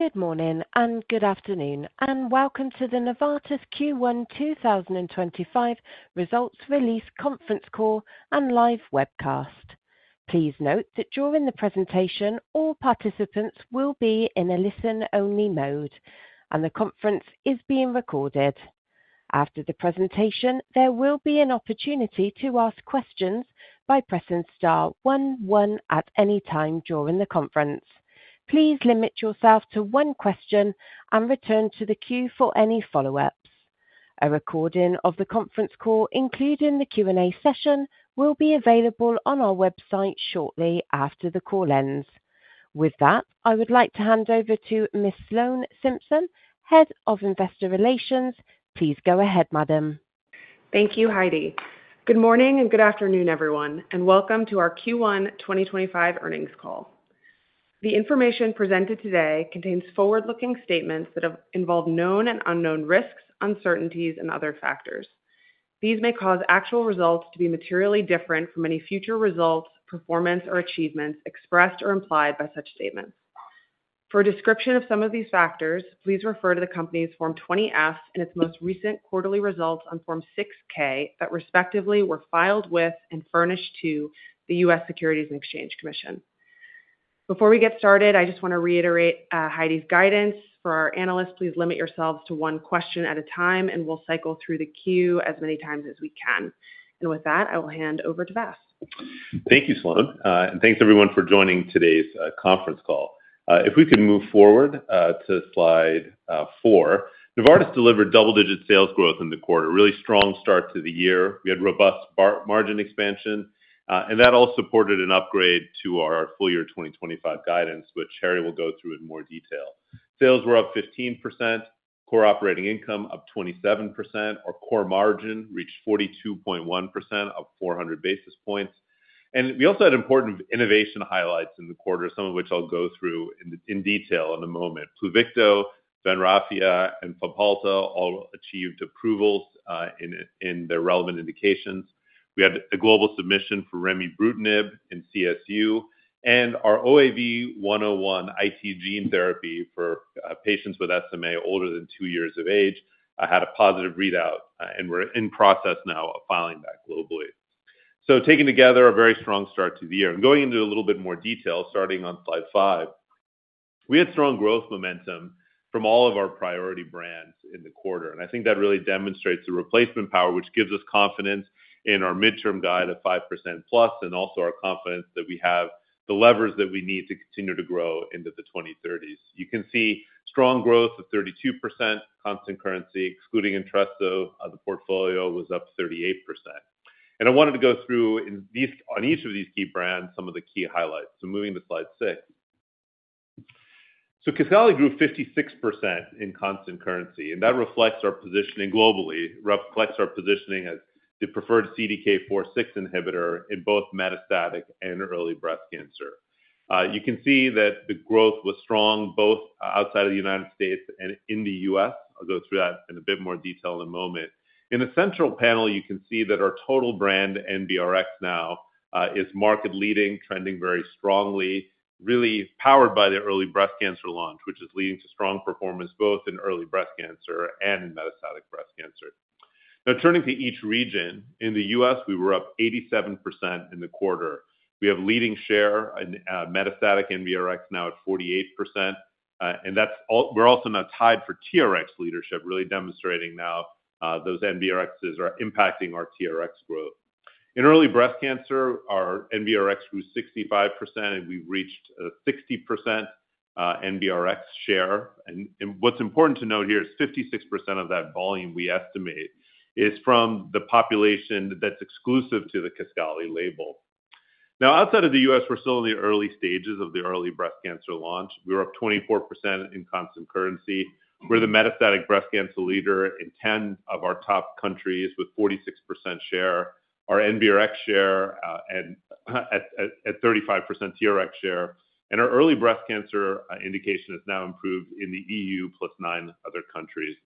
Good morning and good afternoon, and welcome to the Novartis Q1 2025 results release conference call and live webcast. Please note that during the presentation, all participants will be in a listen-only mode, and the conference is being recorded. After the presentation, there will be an opportunity to ask questions by pressing star 11 at any time during the conference. Please limit yourself to one question and return to the queue for any follow-ups. A recording of the conference call, including the Q&A session, will be available on our website shortly after the call ends. With that, I would like to hand over to Ms. Sloan Simpson, Head of Investor Relations. Please go ahead, Madam. Thank you, Heidi. Good morning and good afternoon, everyone, and welcome to our Q1 2025 earnings call. The information presented today contains forward-looking statements that involve known and unknown risks, uncertainties, and other factors. These may cause actual results to be materially different from any future results, performance, or achievements expressed or implied by such statements. For a description of some of these factors, please refer to the company's Form 20Fs and its most recent quarterly results on Form 6-K that respectively were filed with and furnished to the U.S. Securities and Exchange Commission. Before we get started, I just want to reiterate Heidi's guidance for our analysts. Please limit yourselves to one question at a time, and we'll cycle through the queue as many times as we can. With that, I will hand over to Vas. Thank you, Sloan. Thank you, everyone, for joining today's conference call. If we could move forward to slide four, Novartis delivered double-digit sales growth in the quarter, a really strong start to the year. We had robust margin expansion, and that all supported an upgrade to our full year 2025 guidance, which Harry will go through in more detail. Sales were up 15%, core operating income up 27%, our core margin reached 42.1%, up 400 basis points. We also had important innovation highlights in the quarter, some of which I'll go through in detail in a moment. Pluvicto, Vafseo, and Fabhalta all achieved approvals in their relevant indications. We had a global submission for Remibrutinib in CSU, and our OAV101 IT gene therapy for patients with SMA older than two years of age had a positive readout and we're in process now of filing that globally. Taken together, a very strong start to the year. Going into a little bit more detail, starting on slide five, we had strong growth momentum from all of our priority brands in the quarter. I think that really demonstrates the replacement power, which gives us confidence in our midterm guide of 5% plus and also our confidence that we have the levers that we need to continue to grow into the 2030s. You can see strong growth of 32% constant currency, excluding Entresto, the portfolio was up 38%. I wanted to go through on each of these key brands some of the key highlights. Moving to slide six. Kisqali grew 56% in constant currency, and that reflects our positioning globally, reflects our positioning as the preferred CDK4/6 inhibitor in both metastatic and early breast cancer. You can see that the growth was strong both outside of the United States and in the U.S. I'll go through that in a bit more detail in a moment. In the central panel, you can see that our total brand NBRX now is market-leading, trending very strongly, really powered by the early breast cancer launch, which is leading to strong performance both in early breast cancer and in metastatic breast cancer. Now, turning to each region, in the U.S., we were up 87% in the quarter. We have a leading share in metastatic NBRX now at 48%. We are also now tied for TRX leadership, really demonstrating now those NBRXs are impacting our TRX growth. In early breast cancer, our NBRX grew 65%, and we've reached a 60% NBRX share. What is important to note here is 56% of that volume we estimate is from the population that is exclusive to the Kisqali label. Now, outside of the U.S., we are still in the early stages of the early breast cancer launch. We were up 24% in constant currency. We are the metastatic breast cancer leader in 10 of our top countries with 46% share, our NBRX share at 35%, TRX share, and our early breast cancer indication has now improved in the EU plus nine other countries.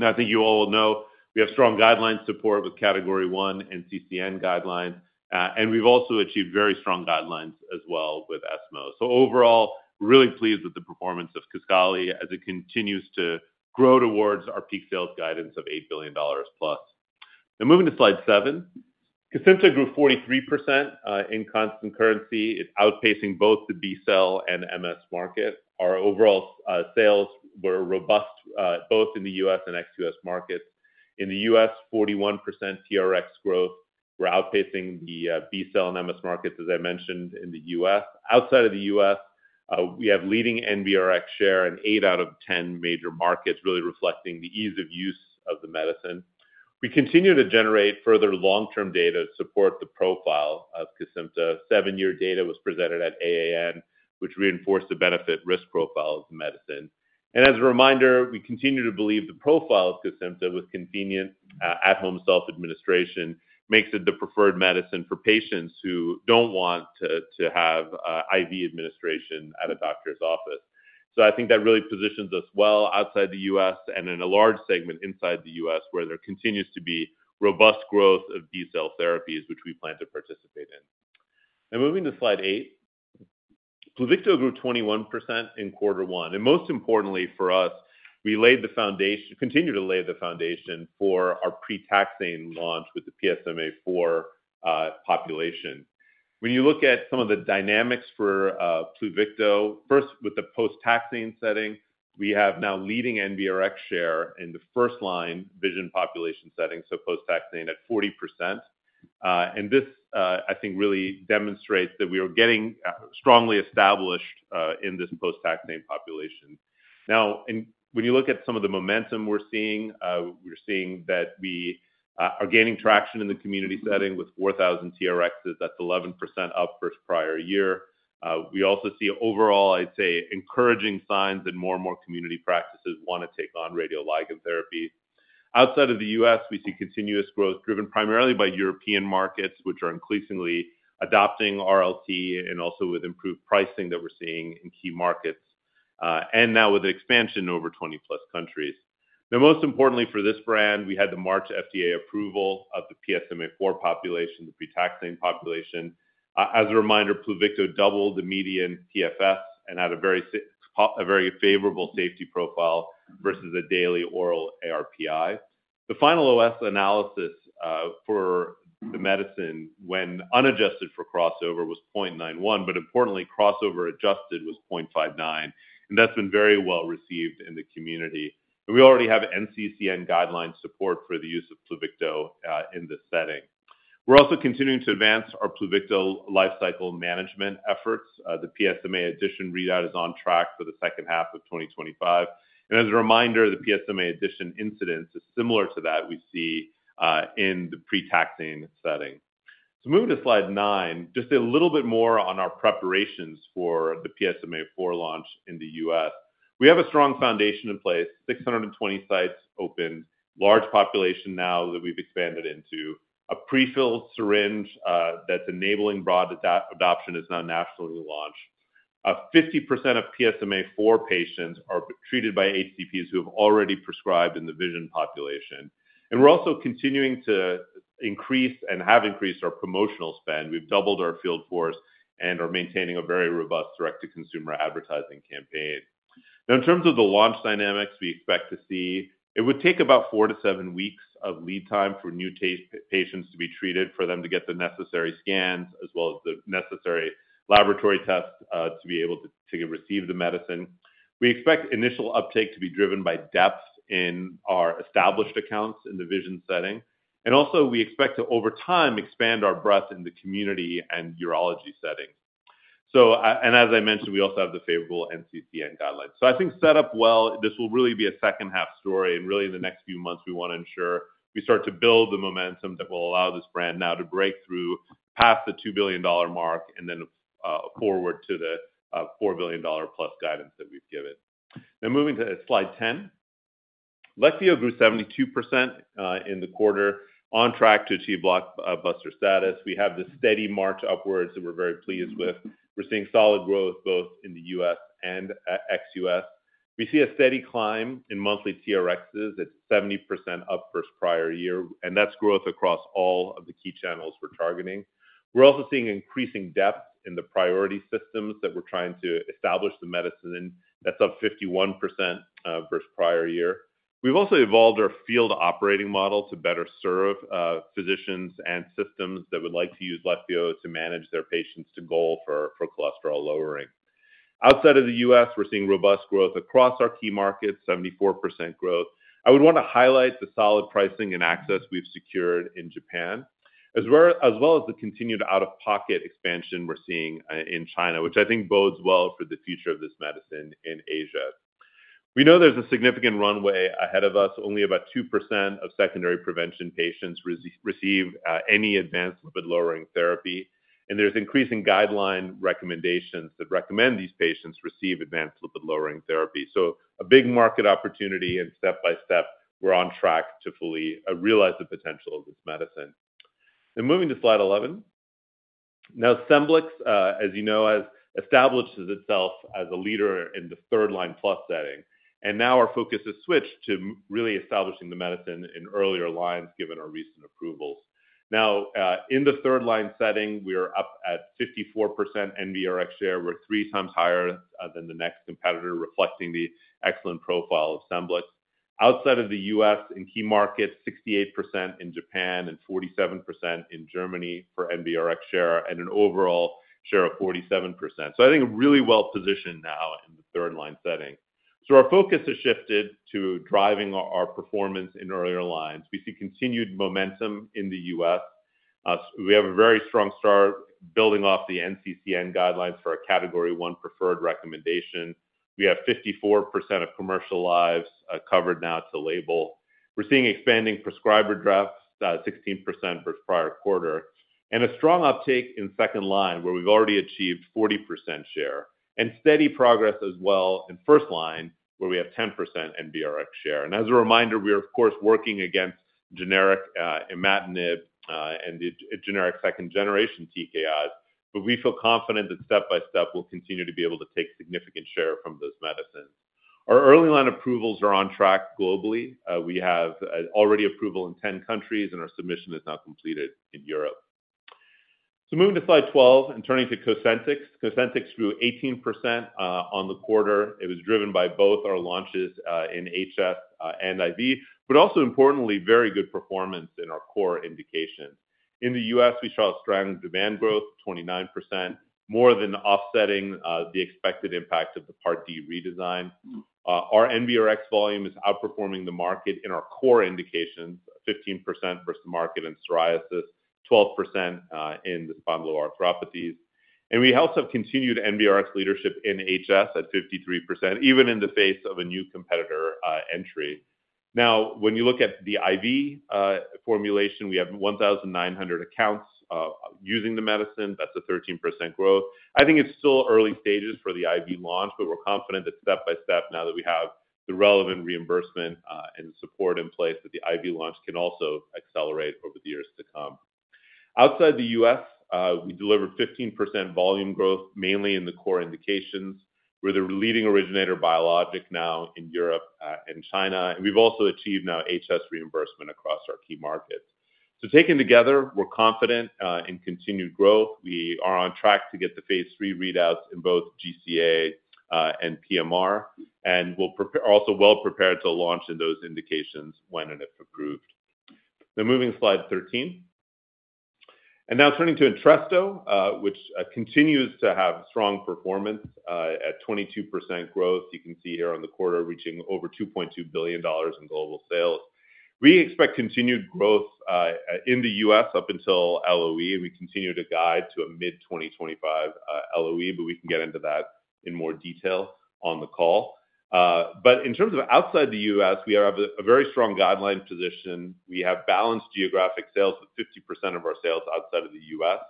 I think you all will know we have strong guideline support with category one and NCCN guidelines, and we have also achieved very strong guidelines as well with ESMO. Overall, really pleased with the performance of Kisqali as it continues to grow towards our peak sales guidance of $8 billion plus. Now, moving to slide seven, Kisimpta grew 43% in constant currency. It's outpacing both the B-cell and MS market. Our overall sales were robust both in the U.S. and ex-U.S. markets. In the U.S., 41% TRX growth. We're outpacing the B-cell and MS markets, as I mentioned, in the U.S. Outside of the U.S., we have leading NBRX share in eight out of ten major markets, really reflecting the ease of use of the medicine. We continue to generate further long-term data to support the profile of Kisimpta. Seven-year data was presented at AAN, which reinforced the benefit-risk profile of the medicine. As a reminder, we continue to believe the profile of Kisimpta with convenient at-home self-administration makes it the preferred medicine for patients who don't want to have IV administration at a doctor's office. I think that really positions us well outside the U.S. and in a large segment inside the U.S. where there continues to be robust growth of B-cell therapies, which we plan to participate in. Now, moving to slide eight, Pluvicto grew 21% in quarter I. Most importantly for us, we laid the foundation, continue to lay the foundation for our pre-taxane launch with the PSMAfore population. When you look at some of the dynamics for Pluvicto, first, with the post-taxane setting, we have now leading NBRX share in the first-line VISION population setting, so post-taxane at 40%. This, I think, really demonstrates that we are getting strongly established in this post-taxane population. When you look at some of the momentum we're seeing, we're seeing that we are gaining traction in the community setting with 4,000 TRXs. That's 11% up from prior year. We also see overall, I'd say, encouraging signs that more and more community practices want to take on radioligand therapies. Outside of the U.S., we see continuous growth driven primarily by European markets, which are increasingly adopting RLT and also with improved pricing that we're seeing in key markets, and now with expansion in over 20-plus countries. Most importantly for this brand, we had the March FDA approval of the PSMAfore population, the pre-taxane population. As a reminder, Pluvicto doubled the median PFS and had a very favorable safety profile versus a daily oral ARPI. The final OS analysis for the medicine when unadjusted for crossover was 0.91, but importantly, crossover adjusted was 0.59. That has been very well received in the community. We already have NCCN guideline support for the use of Pluvicto in this setting. We're also continuing to advance our Pluvicto lifecycle management efforts. The PSMAaddition readout is on track for the second half of 2025. As a reminder, the PSMAaddition incidence is similar to that we see in the pre-taxane setting. Moving to slide nine, just a little bit more on our preparations for the PSMAforelaunch in the U.S. We have a strong foundation in place, 620 sites opened, large population now that we've expanded into. A prefilled syringe that's enabling broad adoption is now nationally launched. 50% of PSMAfore patients are treated by HCPs who have already prescribed in the VISION population. We're also continuing to increase and have increased our promotional spend. We've doubled our field force and are maintaining a very robust direct-to-consumer advertising campaign. Now, in terms of the launch dynamics we expect to see, it would take about four to seven weeks of lead time for new patients to be treated for them to get the necessary scans as well as the necessary laboratory tests to be able to receive the medicine. We expect initial uptake to be driven by depth in our established accounts in the vision setting. We also expect to over time expand our breadth in the community and urology setting. As I mentioned, we also have the favorable NCCN guidelines. I think set up well, this will really be a second-half story. Really, in the next few months, we want to ensure we start to build the momentum that will allow this brand now to break through past the $2 billion mark and then forward to the $4 billion plus guidance that we've given. Now, moving to slide 10, Leqvio grew 72% in the quarter, on track to achieve blockbuster status. We have this steady march upwards that we're very pleased with. We're seeing solid growth both in the U.S. and ex-U.S. We see a steady climb in monthly TRXs. It's 70% up versus prior year, and that's growth across all of the key channels we're targeting. We're also seeing increasing depth in the priority systems that we're trying to establish the medicine. That's up 51% versus prior year. We've also evolved our field operating model to better serve physicians and systems that would like to use Leqvio to manage their patients to goal for cholesterol lowering. Outside of the U.S., we're seeing robust growth across our key markets, 74% growth. I would want to highlight the solid pricing and access we've secured in Japan, as well as the continued out-of-pocket expansion we're seeing in China, which I think bodes well for the future of this medicine in Asia. We know there's a significant runway ahead of us. Only about 2% of secondary prevention patients receive any advanced lipid-lowering therapy. There's increasing guideline recommendations that recommend these patients receive advanced lipid-lowering therapy. A big market opportunity and step-by-step, we're on track to fully realize the potential of this medicine. Now, moving to slide 11. Now, Scemblix, as you know, has established itself as a leader in the third-line plus setting. Now our focus has switched to really establishing the medicine in earlier lines given our recent approvals. In the third-line setting, we are up at 54% NBRX share. We're three times higher than the next competitor, reflecting the excellent profile of Scemblix. Outside of the U.S., in key markets, 68% in Japan and 47% in Germany for NBRX share and an overall share of 47%. I think really well positioned now in the third-line setting. Our focus has shifted to driving our performance in earlier lines. We see continued momentum in the U.S. We have a very strong start building off the NCCN guidelines for a category one preferred recommendation. We have 54% of commercial lives covered now to label. We're seeing expanding prescriber drafts, 16% versus prior quarter, and a strong uptake in second line where we've already achieved 40% share and steady progress as well in first line where we have 10% NBRX share. As a reminder, we are, of course, working against generic imatinib and generic second-generation TKIs, but we feel confident that step by step we'll continue to be able to take significant share from those medicines. Our early line approvals are on track globally. We have already approval in 10 countries, and our submission is now completed in Europe. Moving to slide 12 and turning to Cosentyx. Cosentyx grew 18% on the quarter. It was driven by both our launches in HS and IV, but also importantly, very good performance in our core indications. In the U.S., we saw strong demand growth, 29%, more than offsetting the expected impact of the Part D redesign. Our NBRX volume is outperforming the market in our core indications, 15% versus the market in psoriasis, 12% in the spondyloarthropathies. We also have continued NBRX leadership in HS at 53%, even in the face of a new competitor entry. When you look at the IV formulation, we have 1,900 accounts using the medicine. That's a 13% growth. I think it's still early stages for the IV launch, but we're confident that step by step, now that we have the relevant reimbursement and support in place, the IV launch can also accelerate over the years to come. Outside the U.S., we delivered 15% volume growth, mainly in the core indications. We're the leading originator biologic now in Europe and China. We've also achieved HS reimbursement across our key markets. Taken together, we're confident in continued growth. We are on track to get the phase three readouts in both GCA and PMR, and we're also well prepared to launch in those indications when and if approved. Now, moving to slide 13. Now turning to Entresto, which continues to have strong performance at 22% growth. You can see here on the quarter reaching over $2.2 billion in global sales. We expect continued growth in the U.S. up until LOE, and we continue to guide to a mid-2025 LOE, we can get into that in more detail on the call. In terms of outside the U.S., we have a very strong guideline position. We have balanced geographic sales with 50% of our sales outside of the U.S.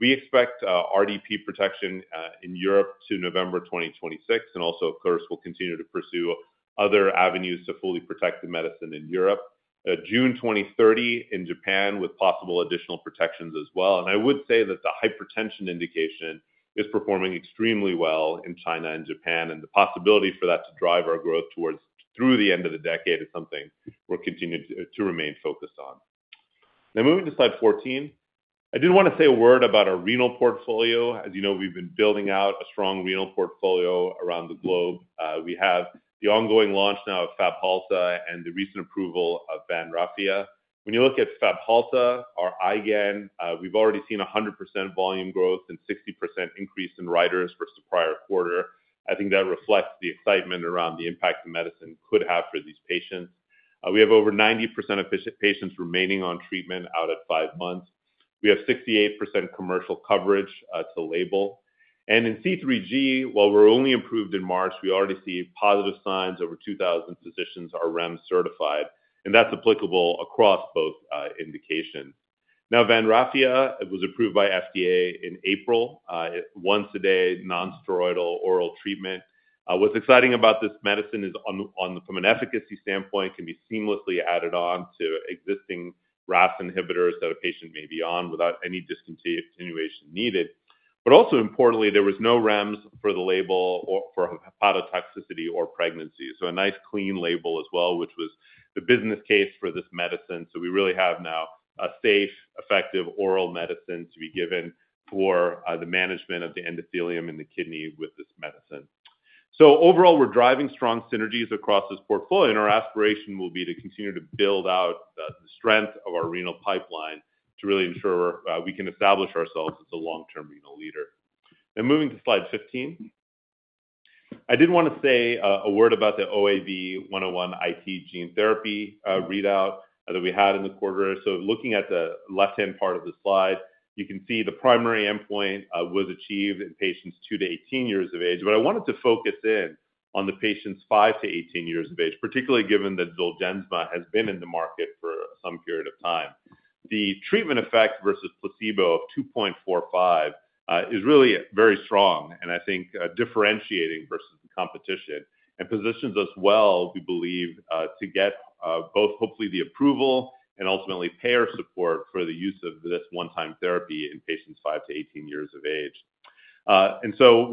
We expect RDP protection in Europe to November 2026. Of course, we will continue to pursue other avenues to fully protect the medicine in Europe. June 2030 in Japan with possible additional protections as well. I would say that the hypertension indication is performing extremely well in China and Japan. The possibility for that to drive our growth towards through the end of the decade is something we'll continue to remain focused on. Now, moving to slide 14. I did want to say a word about our renal portfolio. As you know, we've been building out a strong renal portfolio around the globe. We have the ongoing launch now of Fabhalta and the recent approval of Vafseo. When you look at Fabhalta, our IgAN, we've already seen 100% volume growth and 60% increase in writers versus the prior quarter. I think that reflects the excitement around the impact the medicine could have for these patients. We have over 90% of patients remaining on treatment out at five months. We have 68% commercial coverage to label. In C3G, while we're only approved in March, we already see positive signs over 2,000 physicians are REMS certified. That is applicable across both indications. Now, Vafseo was approved by FDA in April. Once a day, non-steroidal oral treatment. What is exciting about this medicine is from an efficacy standpoint, it can be seamlessly added on to existing RAS inhibitors that a patient may be on without any discontinuation needed. Also importantly, there was no REMS for the label for hepatotoxicity or pregnancy. A nice clean label as well, which was the business case for this medicine. We really have now a safe, effective oral medicine to be given for the management of the endothelium in the kidney with this medicine. Overall, we are driving strong synergies across this portfolio, and our aspiration will be to continue to build out the strength of our renal pipeline to really ensure we can establish ourselves as a long-term renal leader. Now, moving to slide 15. I didn't want to say a word about the OAV101 IT gene therapy readout that we had in the quarter. Looking at the left-hand part of the slide, you can see the primary endpoint was achieved in patients 2-18 years of age. I wanted to focus in on the patients 5-18 years of age, particularly given that Zolgensma has been in the market for some period of time. The treatment effect versus placebo of 2.45 is really very strong, and I think differentiating versus the competition and positions us well, we believe, to get both hopefully the approval and ultimately payer support for the use of this one-time therapy in patients 5-18 years of age. We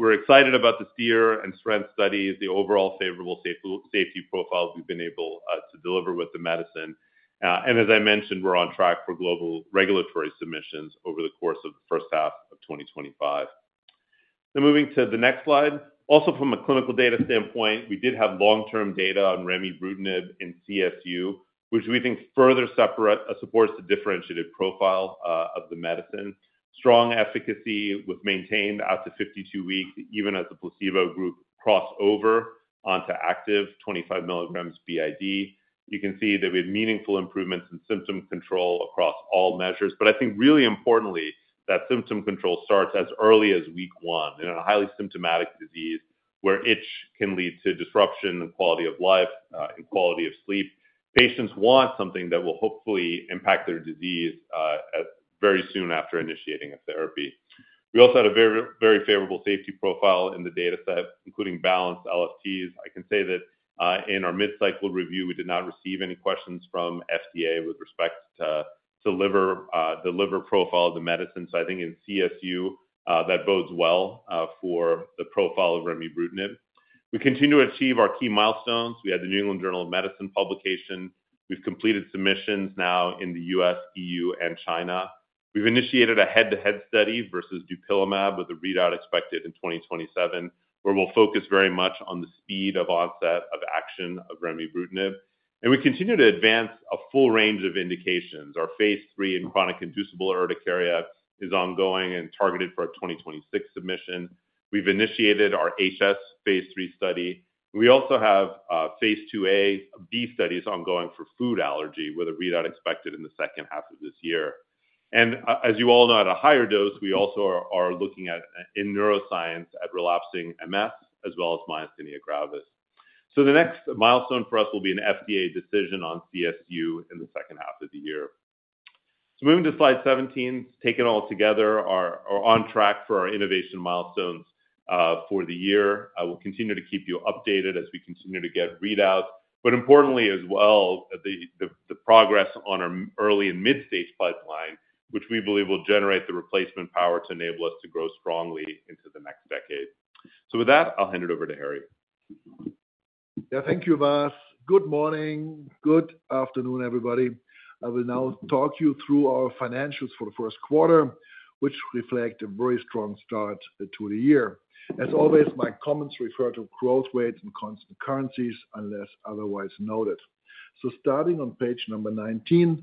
are excited about the STEER and STRONG studies, the overall favorable safety profile we've been able to deliver with the medicine. As I mentioned, we're on track for global regulatory submissions over the course of the first half of 2025. Now, moving to the next slide. Also from a clinical data standpoint, we did have long-term data on Remibrutinib in CSU, which we think further supports the differentiated profile of the medicine. Strong efficacy was maintained out to 52 weeks, even as the placebo group crossed over onto active 25 milligrams b.i.d. You can see that we had meaningful improvements in symptom control across all measures. I think really importantly, that symptom control starts as early as week one in a highly symptomatic disease where itch can lead to disruption in quality of life, in quality of sleep. Patients want something that will hopefully impact their disease very soon after initiating a therapy. We also had a very favorable safety profile in the data set, including balanced LFTs. I can say that in our mid-cycle review, we did not receive any questions from the FDA with respect to the liver profile of the medicine. I think in CSU, that bodes well for the profile of Remibrutinib. We continue to achieve our key milestones. We had the New England Journal of Medicine publication. We have completed submissions now in the U.S., EU, and China. We have initiated a head-to-head study versus dupilumab with a readout expected in 2027, where we will focus very much on the speed of onset of action of Remibrutinib. We continue to advance a full range of indications. Our phase three in chronic inducible urticaria is ongoing and targeted for a 2026 submission. We have initiated our HS phase three study. We also have phase 2A B studies ongoing for food allergy with a readout expected in the second half of this year. As you all know, at a higher dose, we also are looking at in neuroscience at relapsing MS as well as myasthenia gravis. The next milestone for us will be an FDA decision on CSU in the second half of the year. Moving to slide 17, taking it all together, we're on track for our innovation milestones for the year. We'll continue to keep you updated as we continue to get readouts. Importantly as well, the progress on our early and mid-stage pipeline, which we believe will generate the replacement power to enable us to grow strongly into the next decade. With that, I'll hand it over to Harry. Thank you, Vas. Good morning. Good afternoon, everybody. I will now talk you through our financials for the first quarter, which reflect a very strong start to the year. As always, my comments refer to growth rates in constant currencies unless otherwise noted. Starting on page number 19,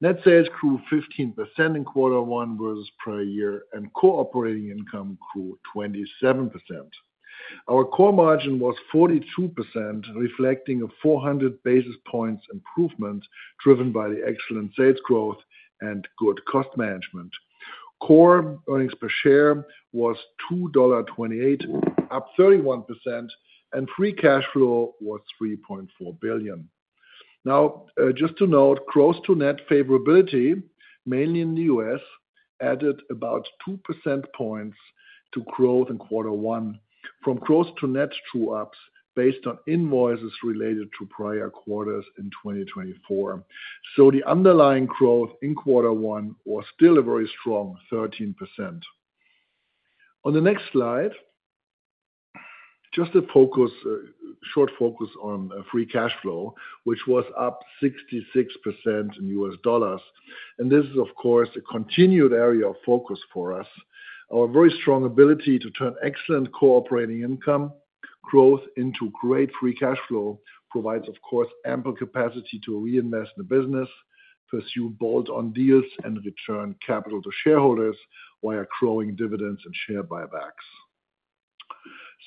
net sales grew 15% in quarter one versus prior year and core operating income grew 27%. Our core margin was 42%, reflecting a 400 basis points improvement driven by the excellent sales growth and good cost management. Core earnings per share was $2.28, up 31%, and free cash flow was $3.4 billion. Just to note, gross-to-net favorability, mainly in the U.S., added about 2% points to growth in quarter one from gross-to-net true ups based on invoices related to prior quarters in 2024. The underlying growth in quarter I was still a very strong 13%. On the next slide, just a short focus on free cash flow, which was up 66% in U.S. dollars. This is, of course, a continued area of focus for us. Our very strong ability to turn excellent cooperating income growth into great free cash flow provides, of course, ample capacity to reinvest in the business, pursue bolt-on deals, and return capital to shareholders via growing dividends and share buybacks.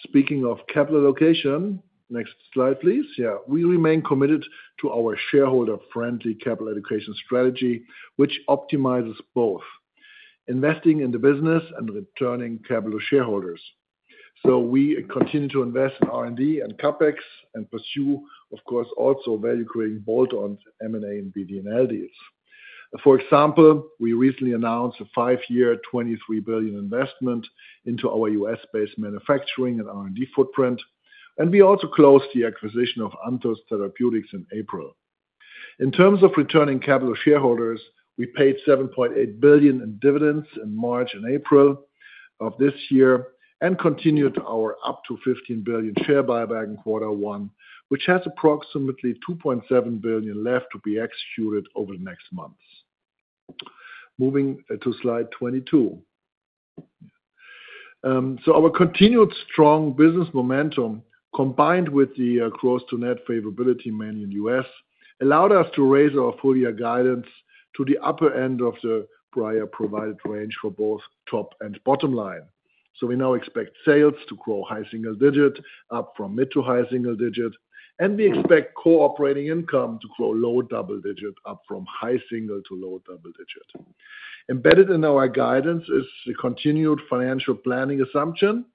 Speaking of capital allocation, next slide, please. We remain committed to our shareholder-friendly capital allocation strategy, which optimizes both investing in the business and returning capital to shareholders. We continue to invest in R&D and CapEx and pursue, of course, also value-creating bolt-on M&A and BD&L deals. For example, we recently announced a five-year, $23 billion investment into our U.S.-based manufacturing and R&D footprint. We also closed the acquisition of Anthos Therapeutics in April. In terms of returning capital shareholders, we paid $7.8 billion in dividends in March and April of this year and continued our up to $15 billion share buyback in quarter one, which has approximately $2.7 billion left to be executed over the next months. Moving to slide 22. Our continued strong business momentum, combined with the gross-to-net favorability, mainly in the U.S., allowed us to raise our full-year guidance to the upper end of the prior provided range for both top and bottom line. We now expect sales to grow high single digit up from mid to high single digit. We expect cooperating income to grow low double digit up from high single to low double digit. Embedded in our guidance is the continued financial planning assumption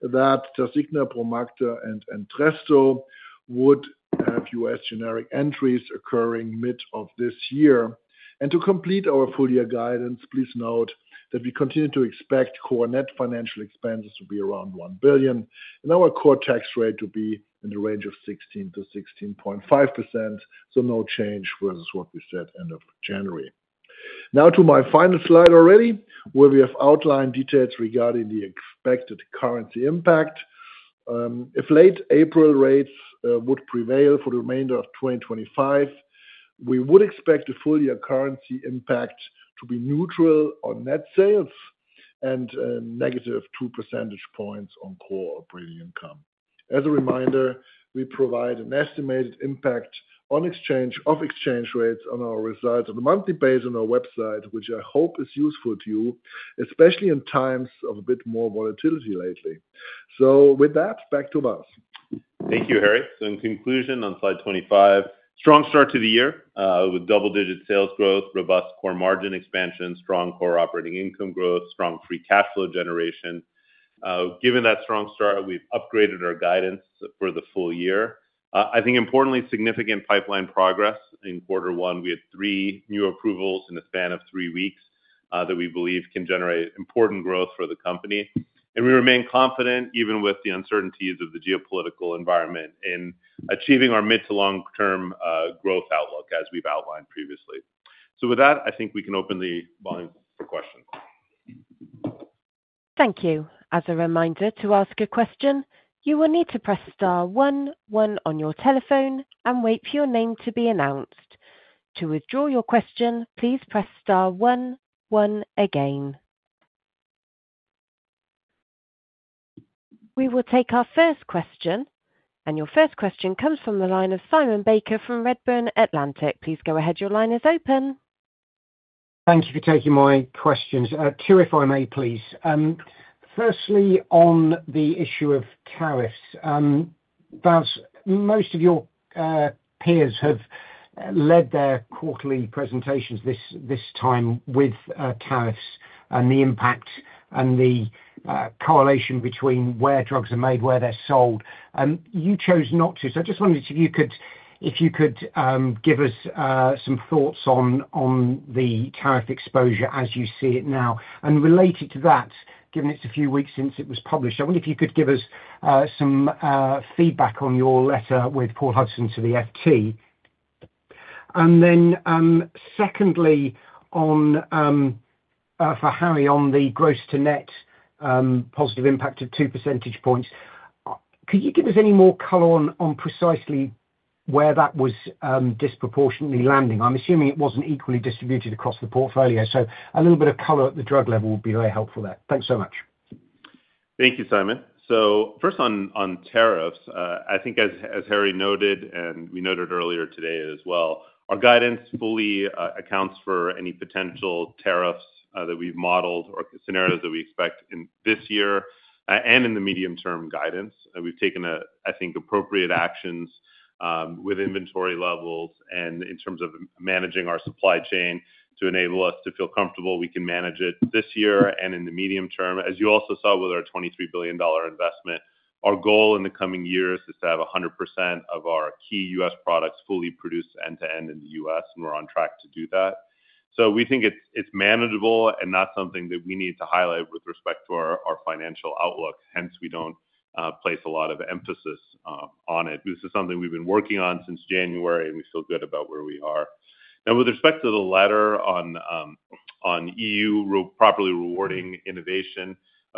that Tasigna, Promacta, and Entresto would have U.S. generic entries occurring mid of this year. To complete our full-year guidance, please note that we continue to expect core net financial expenses to be around $1 billion and our core tax rate to be in the range of 16%-16.5%. No change versus what we said end of January. Now to my final slide already, where we have outlined details regarding the expected currency impact. If late April rates would prevail for the remainder of 2025, we would expect the full-year currency impact to be neutral on net sales and negative 2 percentage points on core operating income. As a reminder, we provide an estimated impact of exchange rates on our results on a monthly base on our website, which I hope is useful to you, especially in times of a bit more volatility lately. With that, back to Vas. Thank you, Harry. In conclusion, on slide 25, strong start to the year with double-digit sales growth, robust core margin expansion, strong core operating income growth, strong free cash flow generation. Given that strong start, we've upgraded our guidance for the full year. I think importantly, significant pipeline progress in quarter one. We had three new approvals in the span of three weeks that we believe can generate important growth for the company. We remain confident, even with the uncertainties of the geopolitical environment, in achieving our mid to long-term growth outlook as we've outlined previously. With that, I think we can open the volume for questions. Thank you. As a reminder, to ask a question, you will need to press star one, on on your telephone and wait for your name to be announced. To withdraw your question, please press star one, one again. We will take our first question. Your first question comes from the line of Simon Baker from Redburn Atlantic. Please go ahead. Your line is open. Thank you for taking my questions. Two, if I may, please. Firstly, on the issue of tariffs. Vas, most of your peers have led their quarterly presentations this time with tariffs and the impact and the correlation between where drugs are made, where they're sold. You chose not to. I just wondered if you could give us some thoughts on the tariff exposure as you see it now. Related to that, given it's a few weeks since it was published, I wonder if you could give us some feedback on your letter with Paul Hudson to the FT. Then secondly, for Harry on the gross-to-net positive impact of 2 percentage points, could you give us any more color on precisely where that was disproportionately landing? I'm assuming it wasn't equally distributed across the portfolio. A little bit of color at the drug level would be very helpful there. Thanks so much. Thank you, Simon. First on tariffs, I think as Harry noted and we noted earlier today as well, our guidance fully accounts for any potential tariffs that we've modeled or scenarios that we expect in this year and in the medium-term guidance. We've taken, I think, appropriate actions with inventory levels and in terms of managing our supply chain to enable us to feel comfortable we can manage it this year and in the medium term. As you also saw with our $23 billion investment, our goal in the coming years is to have 100% of our key U.S. products fully produced end-to-end in the U.S. We are on track to do that. We think it is manageable and not something that we need to highlight with respect to our financial outlook. Hence, we do not place a lot of emphasis on it. This is something we have been working on since January, and we feel good about where we are. Now, with respect to the letter on EU properly rewarding innovation,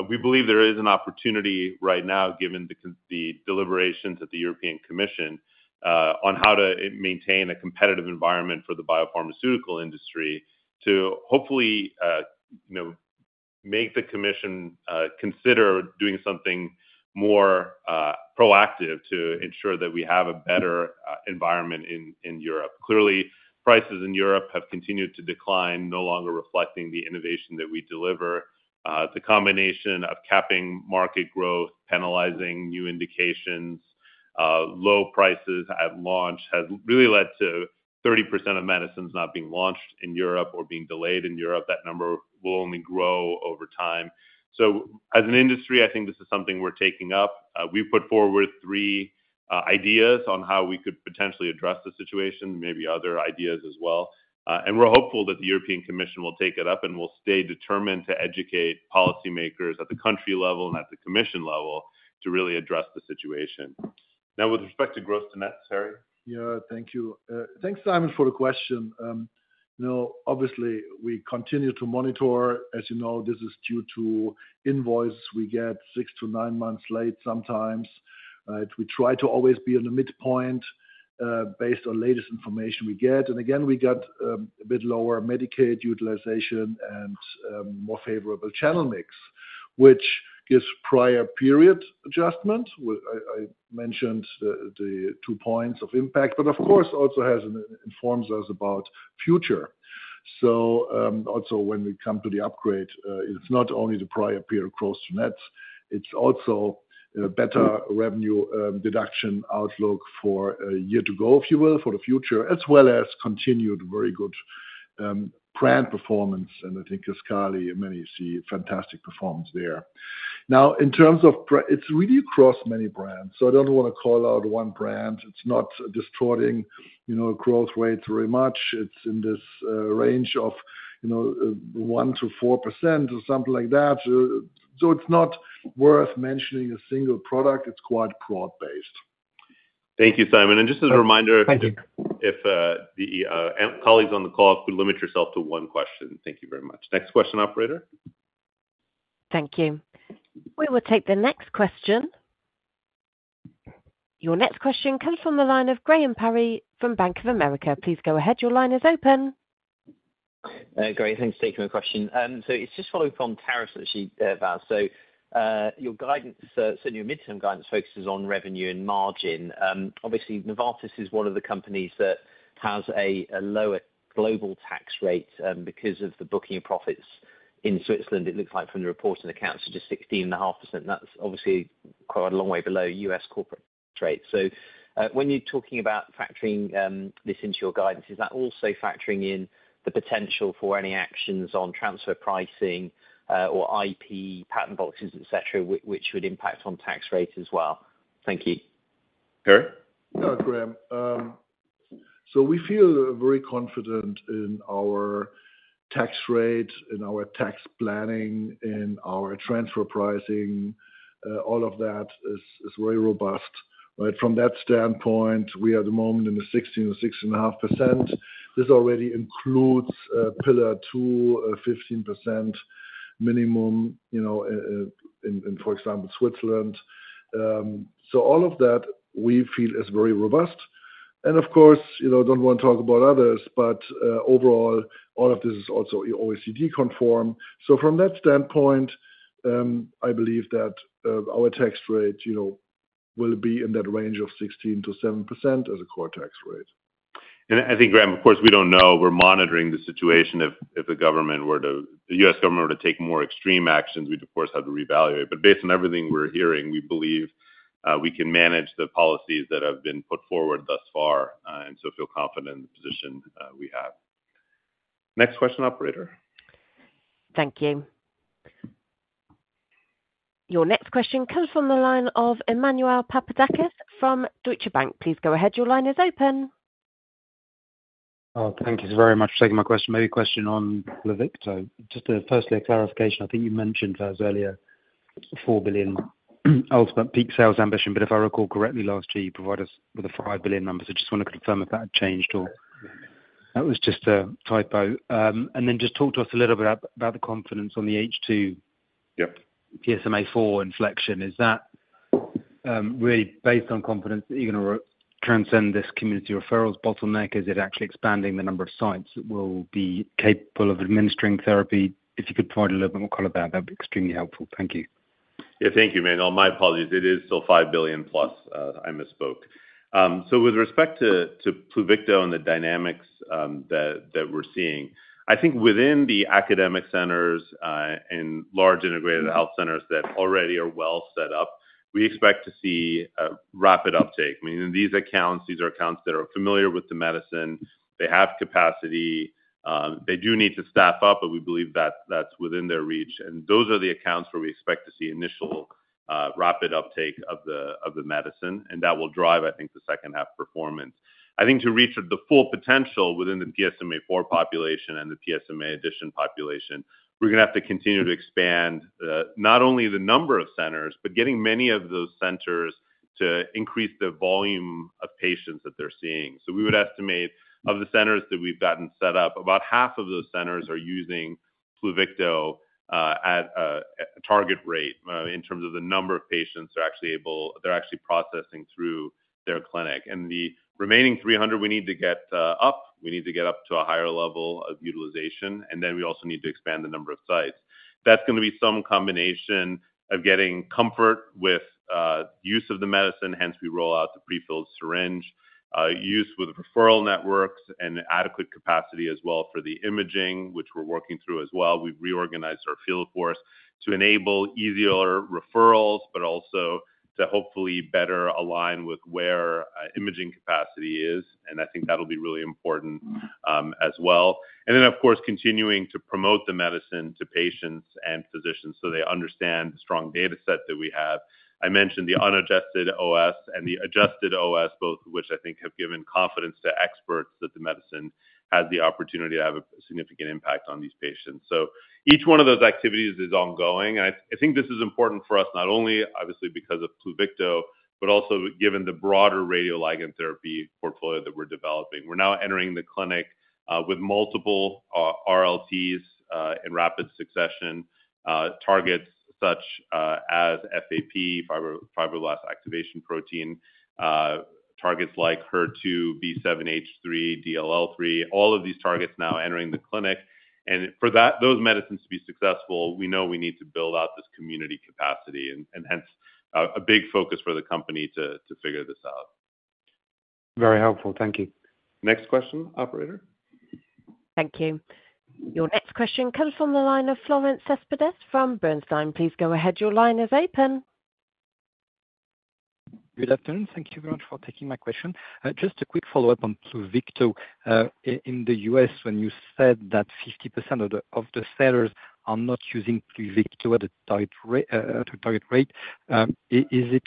we believe there is an opportunity right now, given the deliberations at the European Commission on how to maintain a competitive environment for the biopharmaceutical industry to hopefully make the Commission consider doing something more proactive to ensure that we have a better environment in Europe. Clearly, prices in Europe have continued to decline, no longer reflecting the innovation that we deliver. The combination of capping market growth, penalizing new indications, low prices at launch has really led to 30% of medicines not being launched in Europe or being delayed in Europe. That number will only grow over time. As an industry, I think this is something we're taking up. We've put forward three ideas on how we could potentially address the situation, maybe other ideas as well. We are hopeful that the European Commission will take it up and will stay determined to educate policymakers at the country level and at the Commission level to really address the situation. Now, with respect to gross-to-net, Harry? Yeah, thank you. Thanks, Simon, for the question. Obviously, we continue to monitor. As you know, this is due to invoices we get six to nine months late sometimes. We try to always be in the midpoint based on latest information we get. Again, we got a bit lower Medicaid utilization and more favorable channel mix, which gives prior period adjustment. I mentioned the two points of impact, but of course, also informs us about future. Also, when we come to the upgrade, it's not only the prior period gross-to-nets, it's also a better revenue deduction outlook for a year to go, if you will, for the future, as well as continued very good brand performance. I think Cascard and many see fantastic performance there. In terms of, it's really across many brands. I don't want to call out one brand. It's not distorting growth rates very much. It's in this range of 1%-4% or something like that. It's not worth mentioning a single product. It's quite broad-based. Thank you, Simon. Just as a reminder, if the colleagues on the call could limit yourself to one question, thank you very much. Next question, operator. Thank you. We will take the next question. Your next question comes from the line of Graham Parry from Bank of America. Please go ahead. Your line is open. Great. Thanks for taking my question. It's just following from tariffs, actually, Vas. Your guidance, your midterm guidance focuses on revenue and margin. Obviously, Novartis is one of the companies that has a lower global tax rate because of the booking of profits in Switzerland, it looks like from the reporting accounts, which is 16.5%. That's obviously quite a long way below U.S. corporate tax rates. When you're talking about factoring this into your guidance, is that also factoring in the potential for any actions on transfer pricing or IP patent boxes, etc., which would impact on tax rate as well? Thank you. Harry? Yeah, Graham. We feel very confident in our tax rate, in our tax planning, in our transfer pricing. All of that is very robust. From that standpoint, we are at the moment in the 16%-16.5% range. This already includes pillar two, 15% minimum in, for example, Switzerland. All of that we feel is very robust. Of course, I do not want to talk about others, but overall, all of this is also OECD conform. From that standpoint, I believe that our tax rate will be in that range of 16%-17% as a core tax rate. I think, Graham, of course, we do not know. We're monitoring the situation. If the government were to, the U.S. government were to take more extreme actions, we'd, of course, have to reevaluate. Based on everything we're hearing, we believe we can manage the policies that have been put forward thus far and feel confident in the position we have. Next question, operator. Thank you. Your next question comes from the line of Emmanuel Papadakis from Deutsche Bank. Please go ahead. Your line is open. Thank you very much for taking my question. Maybe a question on Leqvio. Just firstly, a clarification. I think you mentioned, Vas, earlier, $4 billion ultimate peak sales ambition. If I recall correctly, last year, you provided us with a $5 billion number. I just want to confirm if that had changed or that was just a typo. Just talk to us a little bit about the confidence on the H2 PSMA 4 inflection. Is that really based on confidence that you're going to transcend this community referrals bottleneck? Is it actually expanding the number of sites that will be capable of administering therapy? If you could provide a little bit more color there, that would be extremely helpful. Thank you. Yeah, thank you, man. My apologies. It is still $5 billion plus. I misspoke. With respect to Pluvicto and the dynamics that we're seeing, I think within the academic centers and large integrated health centers that already are well set up, we expect to see rapid uptake. I mean, these accounts, these are accounts that are familiar with the medicine. They have capacity. They do need to staff up, but we believe that that's within their reach. Those are the accounts where we expect to see initial rapid uptake of the medicine. That will drive, I think, the second-half performance. I think to reach the full potential within the PSMA 4 population and the PSMA addition population, we're going to have to continue to expand not only the number of centers, but getting many of those centers to increase the volume of patients that they're seeing. We would estimate of the centers that we've gotten set up, about half of those centers are using Pluvicto at a target rate in terms of the number of patients they're actually processing through their clinic. The remaining 300, we need to get up. We need to get up to a higher level of utilization. We also need to expand the number of sites. That's going to be some combination of getting comfort with use of the medicine. Hence, we roll out the prefilled syringe use with referral networks and adequate capacity as well for the imaging, which we're working through as well. We have reorganized our field force to enable easier referrals, but also to hopefully better align with where imaging capacity is. I think that'll be really important as well. Of course, continuing to promote the medicine to patients and physicians so they understand the strong data set that we have. I mentioned the unadjusted OS and the adjusted OS, both of which I think have given confidence to experts that the medicine has the opportunity to have a significant impact on these patients. Each one of those activities is ongoing. I think this is important for us not only, obviously, because of Pluvicto, but also given the broader radioligand therapy portfolio that we're developing. We're now entering the clinic with multiple RLTs in rapid succession, targets such as FAP, fibroblast activation protein, targets like HER2, B7H3, DLL3, all of these targets now entering the clinic. For those medicines to be successful, we know we need to build out this community capacity. Hence, a big focus for the company to figure this out. Very helpful. Thank you. Next question, operator. Thank you. Your next question comes from the line of Florent Cespedes from Bernstein. Please go ahead. Your line is open. Good afternoon. Thank you very much for taking my question. Just a quick follow-up on Pluvicto. In the U.S., when you said that 50% of the sellers are not using Pluvicto at a target rate,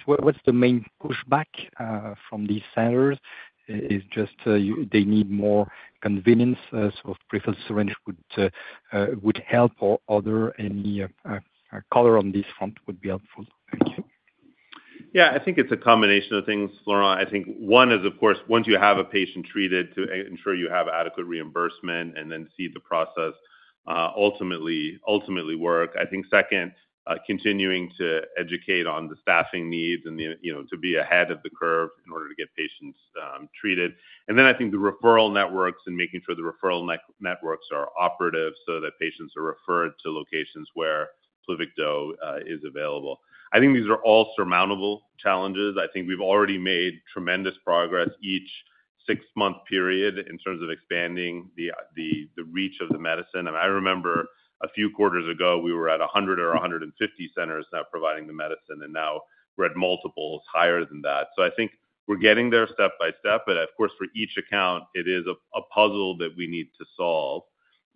what's the main pushback from these sellers? Is it just they need more convenience? So prefilled syringe would help, or other any color on this front would be helpful. Thank you. Yeah, I think it's a combination of things, Florent. I think one is, of course, once you have a patient treated, to ensure you have adequate reimbursement and then see the process ultimately work. I think second, continuing to educate on the staffing needs and to be ahead of the curve in order to get patients treated. I think the referral networks and making sure the referral networks are operative so that patients are referred to locations where Pluvicto is available. I think these are all surmountable challenges. I think we've already made tremendous progress each six-month period in terms of expanding the reach of the medicine. I remember a few quarters ago, we were at 100 or 150 centers now providing the medicine. Now we're at multiples higher than that. I think we're getting there step by step. Of course, for each account, it is a puzzle that we need to solve.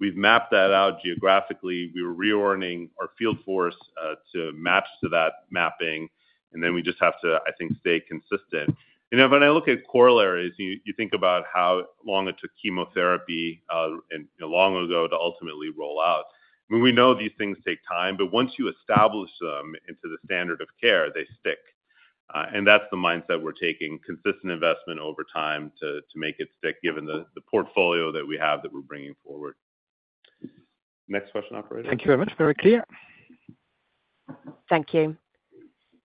We've mapped that out geographically. We were reorienting our field force to match to that mapping. We just have to, I think, stay consistent. When I look at corollaries, you think about how long it took chemotherapy long ago to ultimately roll out. I mean, we know these things take time, but once you establish them into the standard of care, they stick. That's the mindset we're taking, consistent investment over time to make it stick, given the portfolio that we have that we're bringing forward. Next question, operator. Thank you very much. Very clear. Thank you.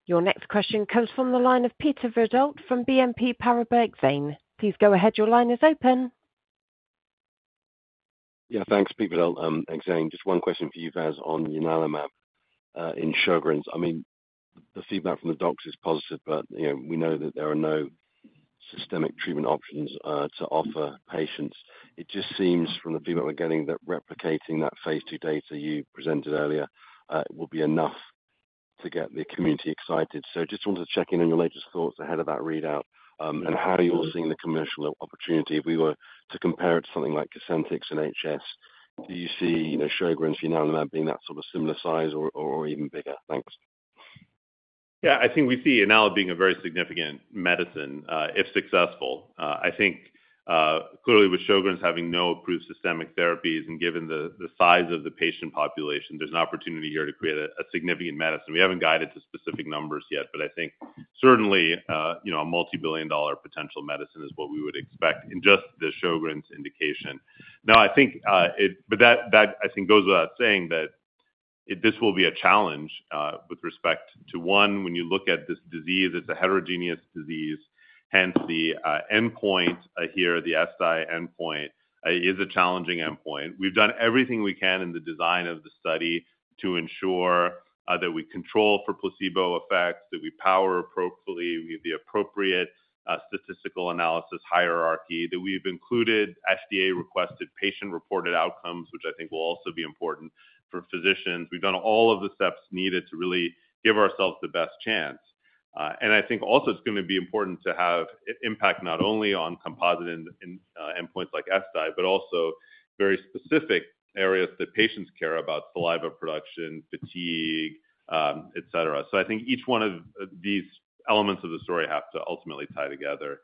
Your next question comes from the line of Peter Verdult from BNP Paribas, Exane. Please go ahead. Your line is open. Yeah, thanks, Peter Verdult. Thanks, Exane. Just one question for you, Vas, on ianalumab in Sjögren's. I mean, the feedback from the docs is positive, but we know that there are no systemic treatment options to offer patients. It just seems from the feedback we're getting that replicating that phase two data you presented earlier will be enough to get the community excited. Just wanted to check in on your latest thoughts ahead of that readout and how you're seeing the commercial opportunity. If we were to compare it to something like Cosentyx and HS, do you see Sjögren's, ianalumab being that sort of similar size or even bigger? Thanks. Yeah, I think we see ianalumab being a very significant medicine if successful. I think clearly with Sjögren's having no approved systemic therapies and given the size of the patient population, there's an opportunity here to create a significant medicine. We haven't guided to specific numbers yet, but I think certainly a multi-billion dollar potential medicine is what we would expect in just the Sjögren's indication. Now, I think that, I think, goes without saying that this will be a challenge with respect to, one, when you look at this disease, it's a heterogeneous disease. Hence, the endpoint here, the ESSDAI endpoint, is a challenging endpoint. We've done everything we can in the design of the study to ensure that we control for placebo effects, that we power appropriately, we have the appropriate statistical analysis hierarchy, that we've included FDA-requested patient-reported outcomes, which I think will also be important for physicians. We've done all of the steps needed to really give ourselves the best chance. I think also it's going to be important to have impact not only on composite endpoints like ESSDAI, but also very specific areas that patients care about: saliva production, fatigue, etc. I think each one of these elements of the story have to ultimately tie together.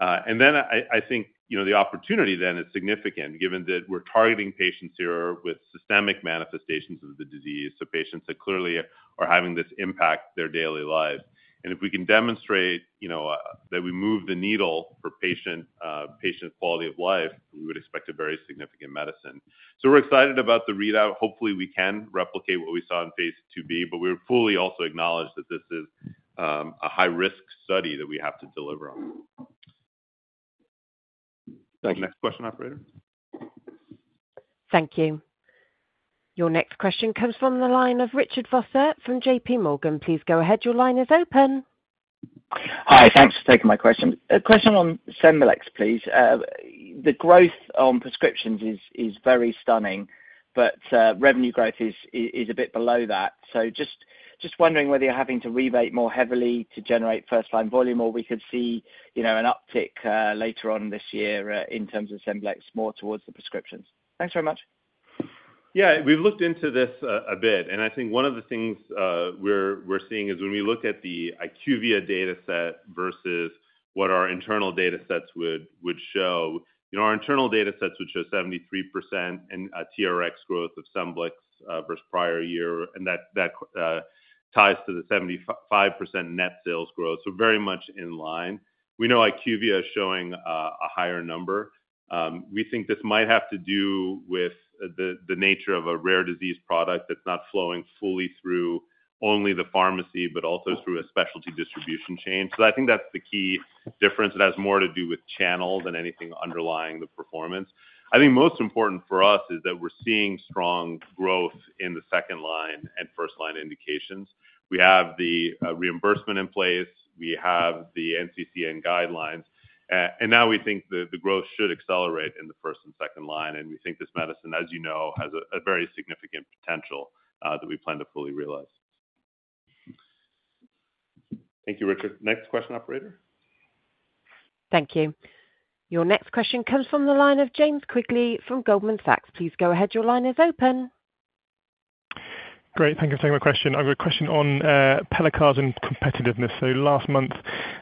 I think the opportunity then is significant given that we're targeting patients here with systemic manifestations of the disease. Patients that clearly are having this impact their daily life. If we can demonstrate that we move the needle for patient quality of life, we would expect a very significant medicine. We are excited about the readout. Hopefully, we can replicate what we saw in phase two B, but we fully also acknowledge that this is a high-risk study that we have to deliver on. Thank you. Next question, operator. Thank you. Your next question comes from the line of Richard Vosser from JP Morgan. Please go ahead. Your line is open. Hi. Thanks for taking my question. A question on Scemblix, please. The growth on prescriptions is very stunning, but revenue growth is a bit below that. Just wondering whether you are having to rebate more heavily to generate first-line volume, or if we could see an uptick later on this year in terms of Scemblix more towards the prescriptions. Thanks very much. Yeah, we've looked into this a bit. I think one of the things we're seeing is when we look at the IQVIA data set versus what our internal data sets would show. Our internal data sets would show 73% TRX growth of Scemblix versus prior year. That ties to the 75% net sales growth, so very much in line. We know IQVIA is showing a higher number. We think this might have to do with the nature of a rare disease product that's not flowing fully through only the pharmacy, but also through a specialty distribution chain. I think that's the key difference. It has more to do with channel than anything underlying the performance. I think most important for us is that we're seeing strong growth in the second-line and first-line indications. We have the reimbursement in place. We have the NCCN guidelines. We think the growth should accelerate in the first and second line. We think this medicine, as you know, has a very significant potential that we plan to fully realize. Thank you, Richard. Next question, operator. Thank you. Your next question comes from the line of James Quigley from Goldman Sachs. Please go ahead. Your line is open. Great. Thank you for taking my question. I have a question on Pelacarsen and competitiveness. Last month,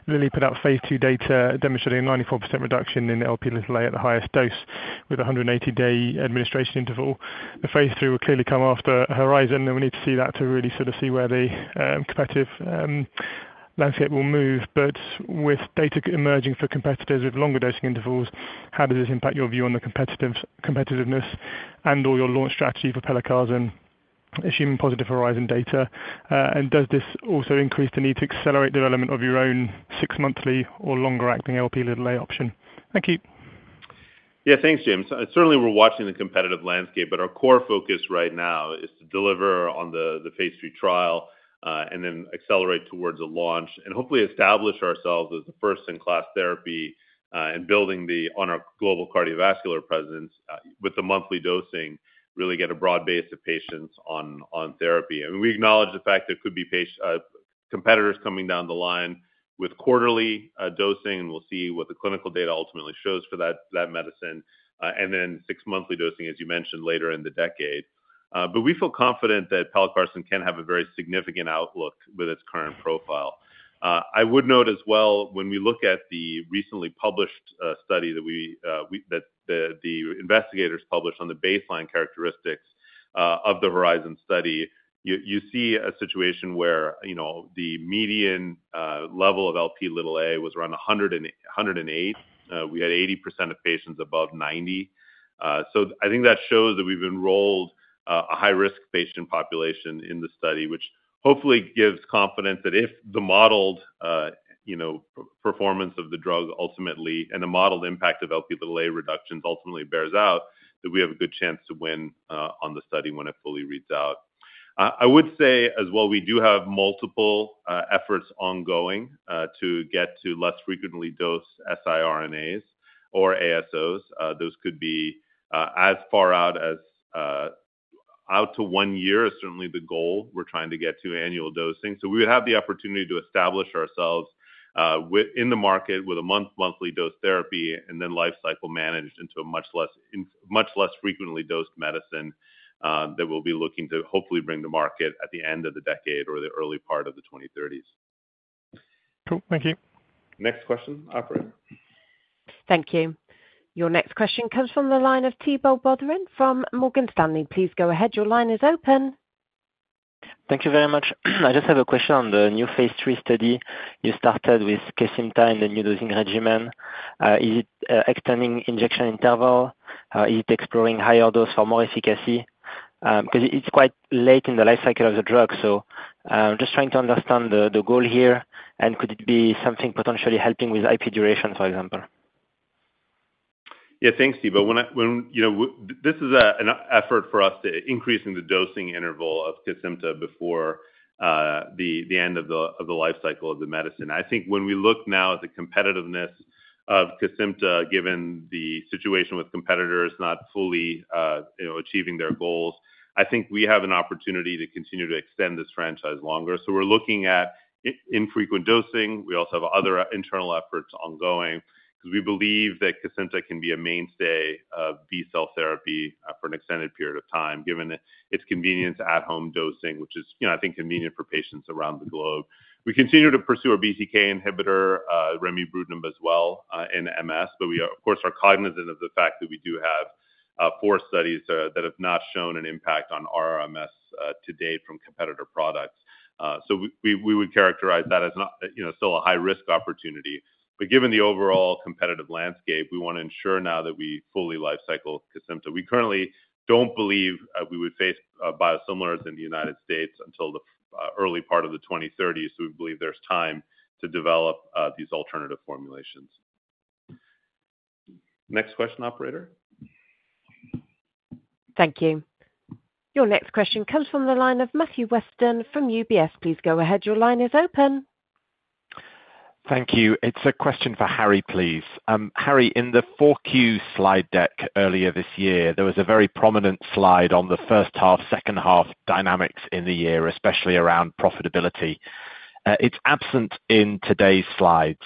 Lilly put out phase two data demonstrating a 94% reduction in LP(a) at the highest dose with a 180-day administration interval. The phase III will clearly come after Horizon. We need to see that to really sort of see where the competitive landscape will move. With data emerging for competitors with longer dosing intervals, how does this impact your view on the competitiveness and/or your launch strategy for Pelacarsen and assume positive Horizon data? Does this also increase the need to accelerate development of your own six-monthly or longer-acting LP(a) option? Thank you. Yeah, thanks, James. Certainly, we're watching the competitive landscape, but our core focus right now is to deliver on the phase three trial and then accelerate towards a launch and hopefully establish ourselves as the first-in-class therapy and building on our global cardiovascular presence with the monthly dosing, really get a broad base of patients on therapy. We acknowledge the fact there could be competitors coming down the line with quarterly dosing, and we'll see what the clinical data ultimately shows for that medicine, and then six-monthly dosing, as you mentioned, later in the decade. We feel confident that Pelacarsen can have a very significant outlook with its current profile. I would note as well, when we look at the recently published study that the investigators published on the baseline characteristics of the Horizon study, you see a situation where the median level of LPA was around 108. We had 80% of patients above 90. I think that shows that we've enrolled a high-risk patient population in the study, which hopefully gives confidence that if the modeled performance of the drug ultimately and the modeled impact of LPA reductions ultimately bears out, we have a good chance to win on the study when it fully reads out. I would say as well, we do have multiple efforts ongoing to get to less frequently dosed SIRNAs or ASOs. Those could be as far out as out to one year is certainly the goal we're trying to get to annual dosing. So we would have the opportunity to establish ourselves in the market with a month-monthly dose therapy and then life cycle managed into a much less frequently dosed medicine that we'll be looking to hopefully bring to market at the end of the decade or the early part of the 2030s. Thank you. Next question, operator. Thank you. Your next question comes from the line of Thibault Boutherin from Morgan Stanley. Please go ahead. Your line is open. Thank you very much. I just have a question on the new phase three study you started with Kisimpta and the new dosing regimen. Is it extending injection interval? Is it exploring higher dose for more efficacy? Because it's quite late in the life cycle of the drug. I'm just trying to understand the goal here. Could it be something potentially helping with IP duration, for example? Yeah, thanks, Tebow. This is an effort for us to increase the dosing interval of Kisimpta before the end of the life cycle of the medicine. I think when we look now at the competitiveness of Kisimpta, given the situation with competitors not fully achieving their goals, I think we have an opportunity to continue to extend this franchise longer. We're looking at infrequent dosing. We also have other internal efforts ongoing because we believe that Kisimpta can be a mainstay of B-cell therapy for an extended period of time, given its convenience at home dosing, which is, I think, convenient for patients around the globe. We continue to pursue a BTK inhibitor, Remibrutinib, as well in MS. We, of course, are cognizant of the fact that we do have four studies that have not shown an impact on RMS to date from competitor products. We would characterize that as still a high-risk opportunity. Given the overall competitive landscape, we want to ensure now that we fully life cycle Kisimpta. We currently do not believe we would face biosimilars in the United States until the early part of the 2030s. We believe there is time to develop these alternative formulations. Next question, operator. Thank you. Your next question comes from the line of Matthew Weston from UBS. Please go ahead. Your line is open. Thank you. It is a question for Harry, please. Harry, in the Q4 slide deck earlier this year, there was a very prominent slide on the first half, second half dynamics in the year, especially around profitability. It is absent in today's slides.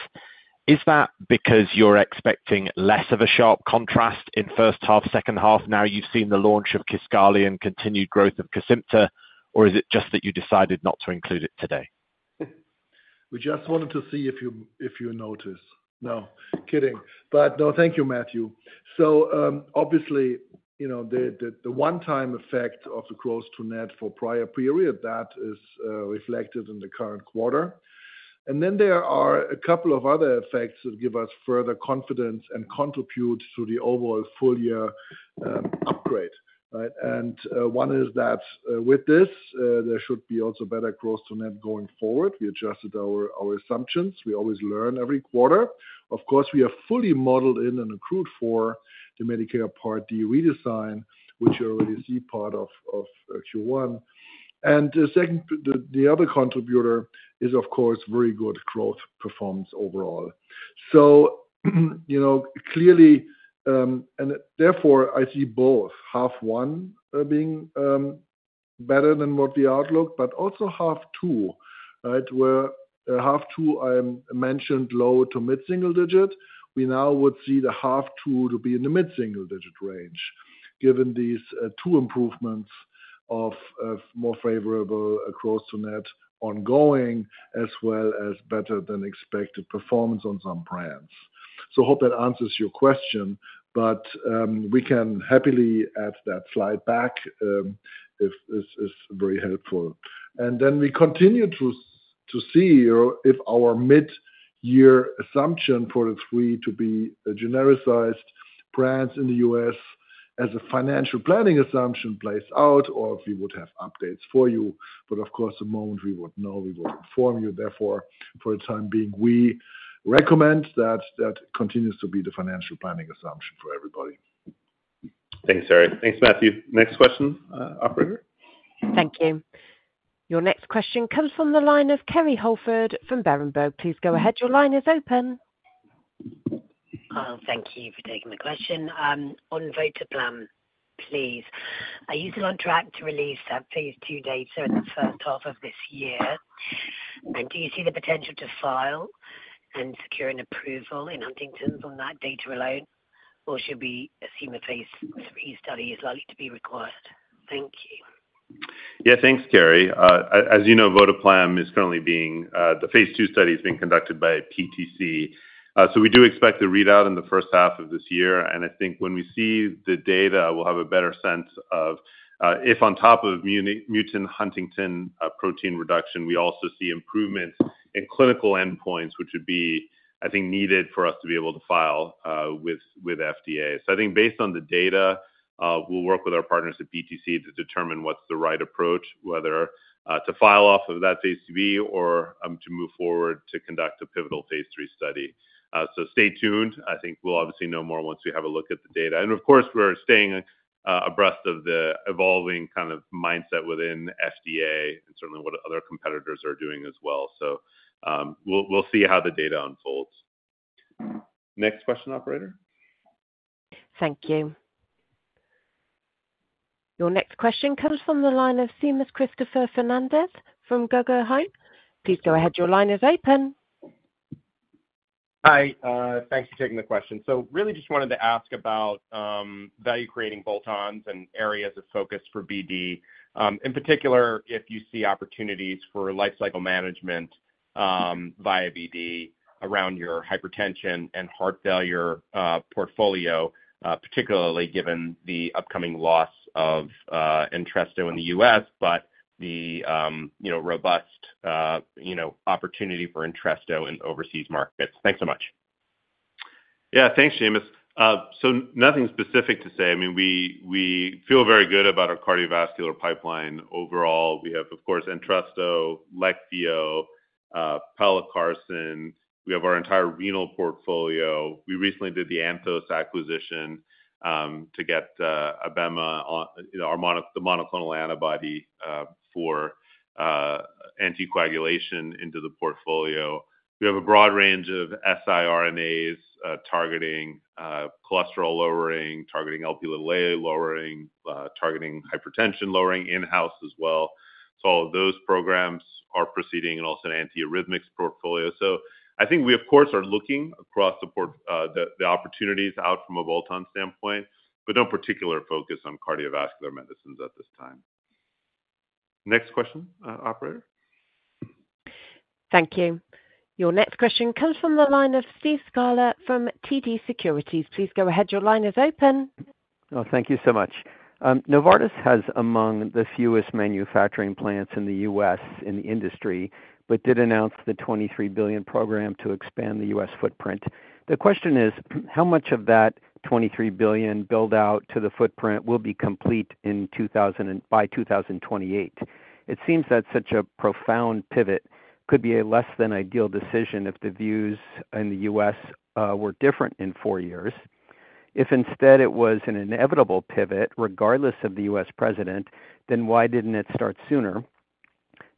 Is that because you're expecting less of a sharp contrast in first half, second half? Now you've seen the launch of Kisqali and continued growth of Kisimpta, or is it just that you decided not to include it today? We just wanted to see if you notice. No. Kidding. No, thank you, Matthew. Obviously, the one-time effect of the gross-to-net for prior period, that is reflected in the current quarter. There are a couple of other effects that give us further confidence and contribute to the overall full-year upgrade. One is that with this, there should be also better gross-to-net going forward. We adjusted our assumptions. We always learn every quarter. Of course, we are fully modeled in and accrued for the Medicare Part D redesign, which you already see part of Q1. The other contributor is, of course, very good growth performance overall. Clearly, I see both half one being better than what we outlook, but also half two, where half two I mentioned low to mid single digit. We now would see the half two to be in the mid single digit range given these two improvements of more favorable gross to net ongoing as well as better than expected performance on some brands. I hope that answers your question, but we can happily add that slide back if this is very helpful. We continue to see if our mid-year assumption for the three to be genericized brands in the U.S. as a financial planning assumption plays out or if we would have updates for you. Of course, the moment we would know, we would inform you. Therefore, for the time being, we recommend that that continues to be the financial planning assumption for everybody. Thanks, Harry. Thanks, Matthew. Next question, operator. Thank you. Your next question comes from the line of Kerry Holford from Berenberg. Please go ahead. Your line is open. Thank you for taking the question. On Uncertain (possibly 'The PTC plan' or 'Branaplam'), please. Are you still on track to release phase two data in the first half of this year? Do you see the potential to file and secure an approval in Huntington's on that data alone, or should we assume a phase III study is likely to be required? Thank you. Yeah, thanks, Kerry. As you know, Uncertain (possibly 'The PTC plan' or 'Branaplam') is currently being the phase two study is being conducted by PTC. We do expect the readout in the first half of this year. I think when we see the data, we'll have a better sense of if on top of mutant Huntington protein reduction, we also see improvements in clinical endpoints, which would be, I think, needed for us to be able to file with FDA. I think based on the data, we'll work with our partners at PTC to determine what's the right approach, whether to file off of that phase III or to move forward to conduct a pivotal phase three study. Stay tuned. I think we'll obviously know more once we have a look at the data. Of course, we're staying abreast of the evolving kind of mindset within FDA and certainly what other competitors are doing as well. We'll see how the data unfolds. Next question, operator. Thank you. Your next question comes from the line of Seamus Christopher Fernandez from Guggenheim. Please go ahead. Your line is open. Hi. Thank you for taking the question. So really just wanted to ask about value-creating bolt-ons and areas of focus for BD, in particular, if you see opportunities for life cycle management via BD around your hypertension and heart failure portfolio, particularly given the upcoming loss of Entresto in the U.S., but the robust opportunity for Entresto in overseas markets. Thanks so much. Yeah, thanks, Seamus. So nothing specific to say. I mean, we feel very good about our cardiovascular pipeline overall. We have, of course, Entresto, Leqvio, pelacarsen. We have our entire renal portfolio. We recently did the Anthos acquisition to get abelacimab, the monoclonal antibody for anticoagulation into the portfolio. We have a broad range of siRNAs targeting cholesterol lowering, targeting Lp(a) lowering, targeting hypertension lowering in-house as well. All of those programs are proceeding and also an antiarrhythmics portfolio. I think we, of course, are looking across the opportunities out from a bolt-on standpoint, but no particular focus on cardiovascular medicines at this time. Next question, operator. Thank you. Your next question comes from the line of Steve Scala from TD Securities. Please go ahead. Your line is open. Thank you so much. Novartis has among the fewest manufacturing plants in the U.S. in the industry, but did announce the $23 billion program to expand the U.S. footprint. The question is, how much of that $23 billion build-out to the footprint will be complete by 2028? It seems that such a profound pivot could be a less than ideal decision if the views in the U.S. were different in four years. If instead it was an inevitable pivot, regardless of the U.S. president, then why didn't it start sooner?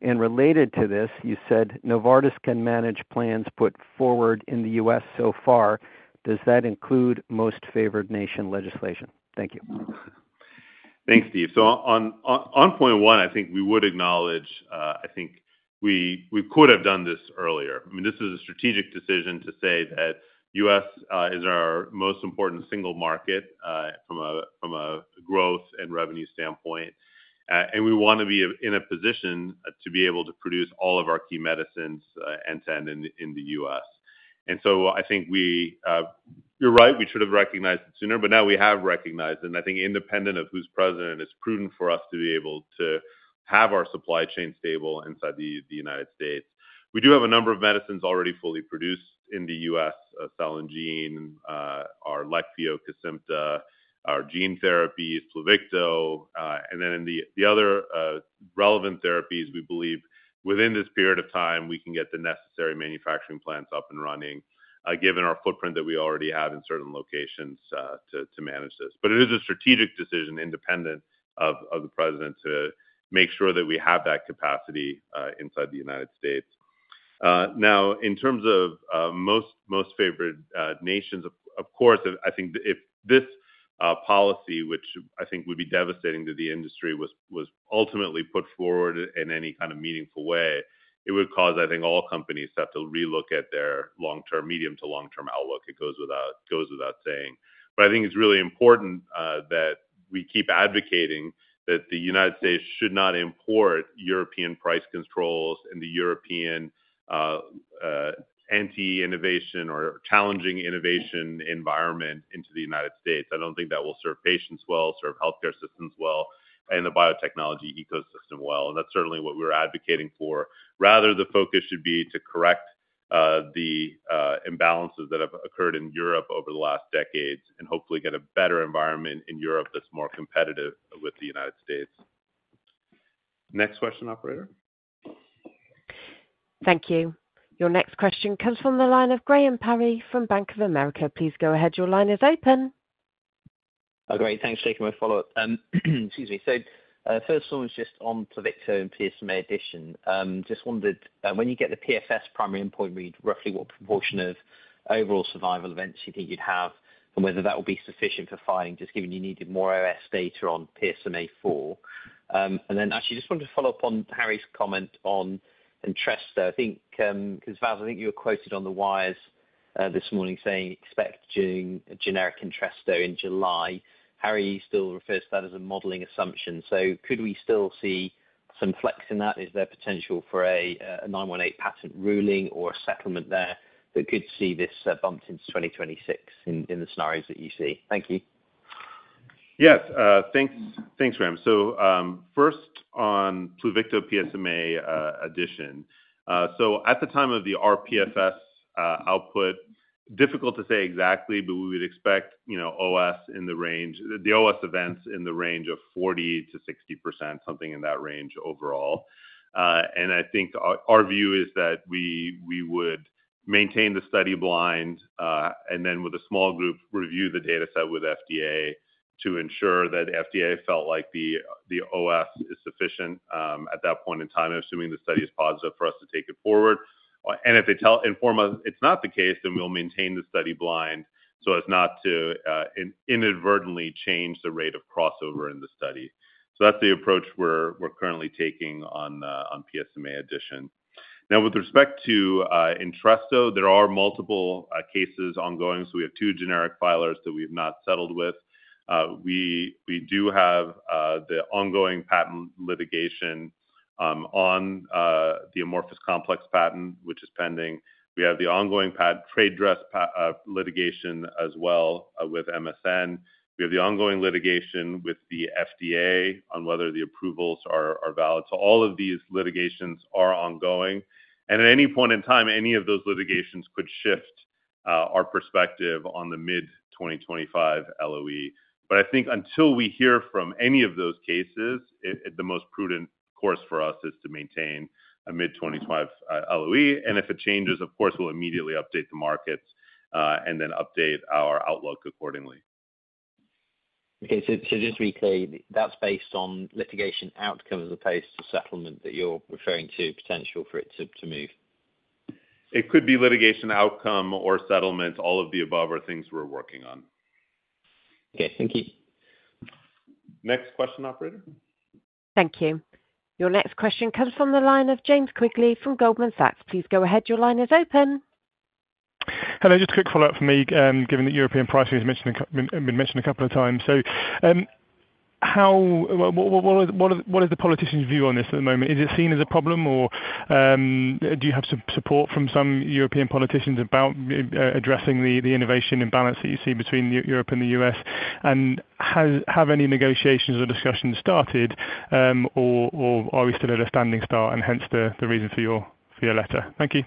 Related to this, you said Novartis can manage plans put forward in the U.S. so far. Does that include most favored nation legislation? Thank you. Thanks, Steve. On point one, I think we would acknowledge, I think we could have done this earlier. I mean, this is a strategic decision to say that the U.S. is our most important single market from a growth and revenue standpoint. We want to be in a position to be able to produce all of our key medicines end-to-end in the U.S. I think we are right. We should have recognized it sooner, but now we have recognized. I think independent of who is president, it is prudent for us to be able to have our supply chain stable inside the United States. We do have a number of medicines already fully produced in the U.S.: Zolgensma and our Leqvio, Kisimpta, our gene therapies, Pluvicto. In the other relevant therapies, we believe within this period of time, we can get the necessary manufacturing plants up and running, given our footprint that we already have in certain locations to manage this. It is a strategic decision independent of the president to make sure that we have that capacity inside the United States. Now, in terms of most favored nations, of course, I think if this policy, which I think would be devastating to the industry, was ultimately put forward in any kind of meaningful way, it would cause, I think, all companies to have to relook at their long-term, medium to long-term outlook. It goes without saying. I think it's really important that we keep advocating that the United States should not import European price controls and the European anti-innovation or challenging innovation environment into the United States. I don't think that will serve patients well, serve healthcare systems well, and the biotechnology ecosystem well. That's certainly what we're advocating for. Rather, the focus should be to correct the imbalances that have occurred in Europe over the last decades and hopefully get a better environment in Europe that's more competitive with the United States. Next question, operator. Thank you. Your next question comes from the line of Graham Parry from Bank of America. Please go ahead. Your line is open. Great. Thanks for taking my follow-up. Excuse me. First one was just on Pluvicto and PSMA addition. Just wondered, when you get the PFS primary endpoint read, roughly what proportion of overall survival events you think you'd have and whether that would be sufficient for filing, just given you needed more OS data on PSMAfore? Actually, just wanted to follow up on Harry's comment on Entresto. I think, because Vas, I think you were quoted on the wires this morning saying expect generic Entresto in July. Harry still refers to that as a modeling assumption. Could we still see some flex in that? Is there potential for a 918 patent ruling or a settlement there that could see this bumped into 2026 in the scenarios that you see? Thank you. Yes. Thanks, Graham. First on Pluvicto PSMA addition. At the time of the RPFS output, difficult to say exactly, but we would expect OS events in the range of 40-60%, something in that range overall. I think our view is that we would maintain the study blind and then with a small group review the data set with FDA to ensure that FDA felt like the OS is sufficient at that point in time, assuming the study is positive for us to take it forward. If they inform us it's not the case, then we'll maintain the study blind so as not to inadvertently change the rate of crossover in the study. That's the approach we're currently taking on PSMA addition. Now, with respect to Entresto, there are multiple cases ongoing. We have two generic filers that we have not settled with. We do have the ongoing patent litigation on the amorphous complex patent, which is pending. We have the ongoing trade dress litigation as well with MSN. We have the ongoing litigation with the FDA on whether the approvals are valid. All of these litigations are ongoing. At any point in time, any of those litigations could shift our perspective on the mid-2025 LOE. I think until we hear from any of those cases, the most prudent course for us is to maintain a mid-2025 LOE. If it changes, of course, we'll immediately update the markets and then update our outlook accordingly. Okay. Just to be clear, that's based on litigation outcomes as opposed to settlement that you're referring to potential for it to move? It could be litigation outcome or settlement. All of the above are things we're working on. Thank you. Next question, operator. Thank you. Your next question comes from the line of James Quigley from Goldman Sachs. Please go ahead. Your line is open. Hello. Just a quick follow-up for me, given that European pricing has been mentioned a couple of times. What is the politician's view on this at the moment? Is it seen as a problem, or do you have some support from some European politicians about addressing the innovation and balance that you see between Europe and the U.S.? Have any negotiations or discussions started, or are we still at a standing start, and hence the reason for your letter? Thank you.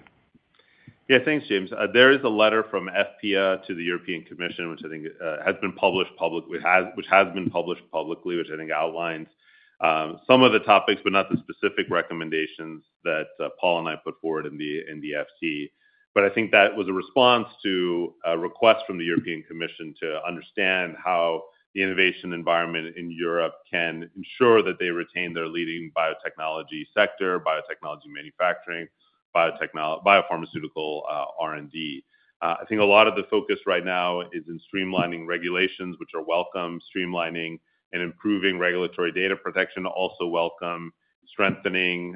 Yeah, thanks, James. There is a letter from FPI to the European Commission, which I think has been published, which has been published publicly, which I think outlines some of the topics, but not the specific recommendations that Paul and I put forward in the FT. I think that was a response to a request from the European Commission to understand how the innovation environment in Europe can ensure that they retain their leading biotechnology sector, biotechnology manufacturing, biopharmaceutical R&D. I think a lot of the focus right now is in streamlining regulations, which are welcome, streamlining and improving regulatory data protection also welcome, strengthening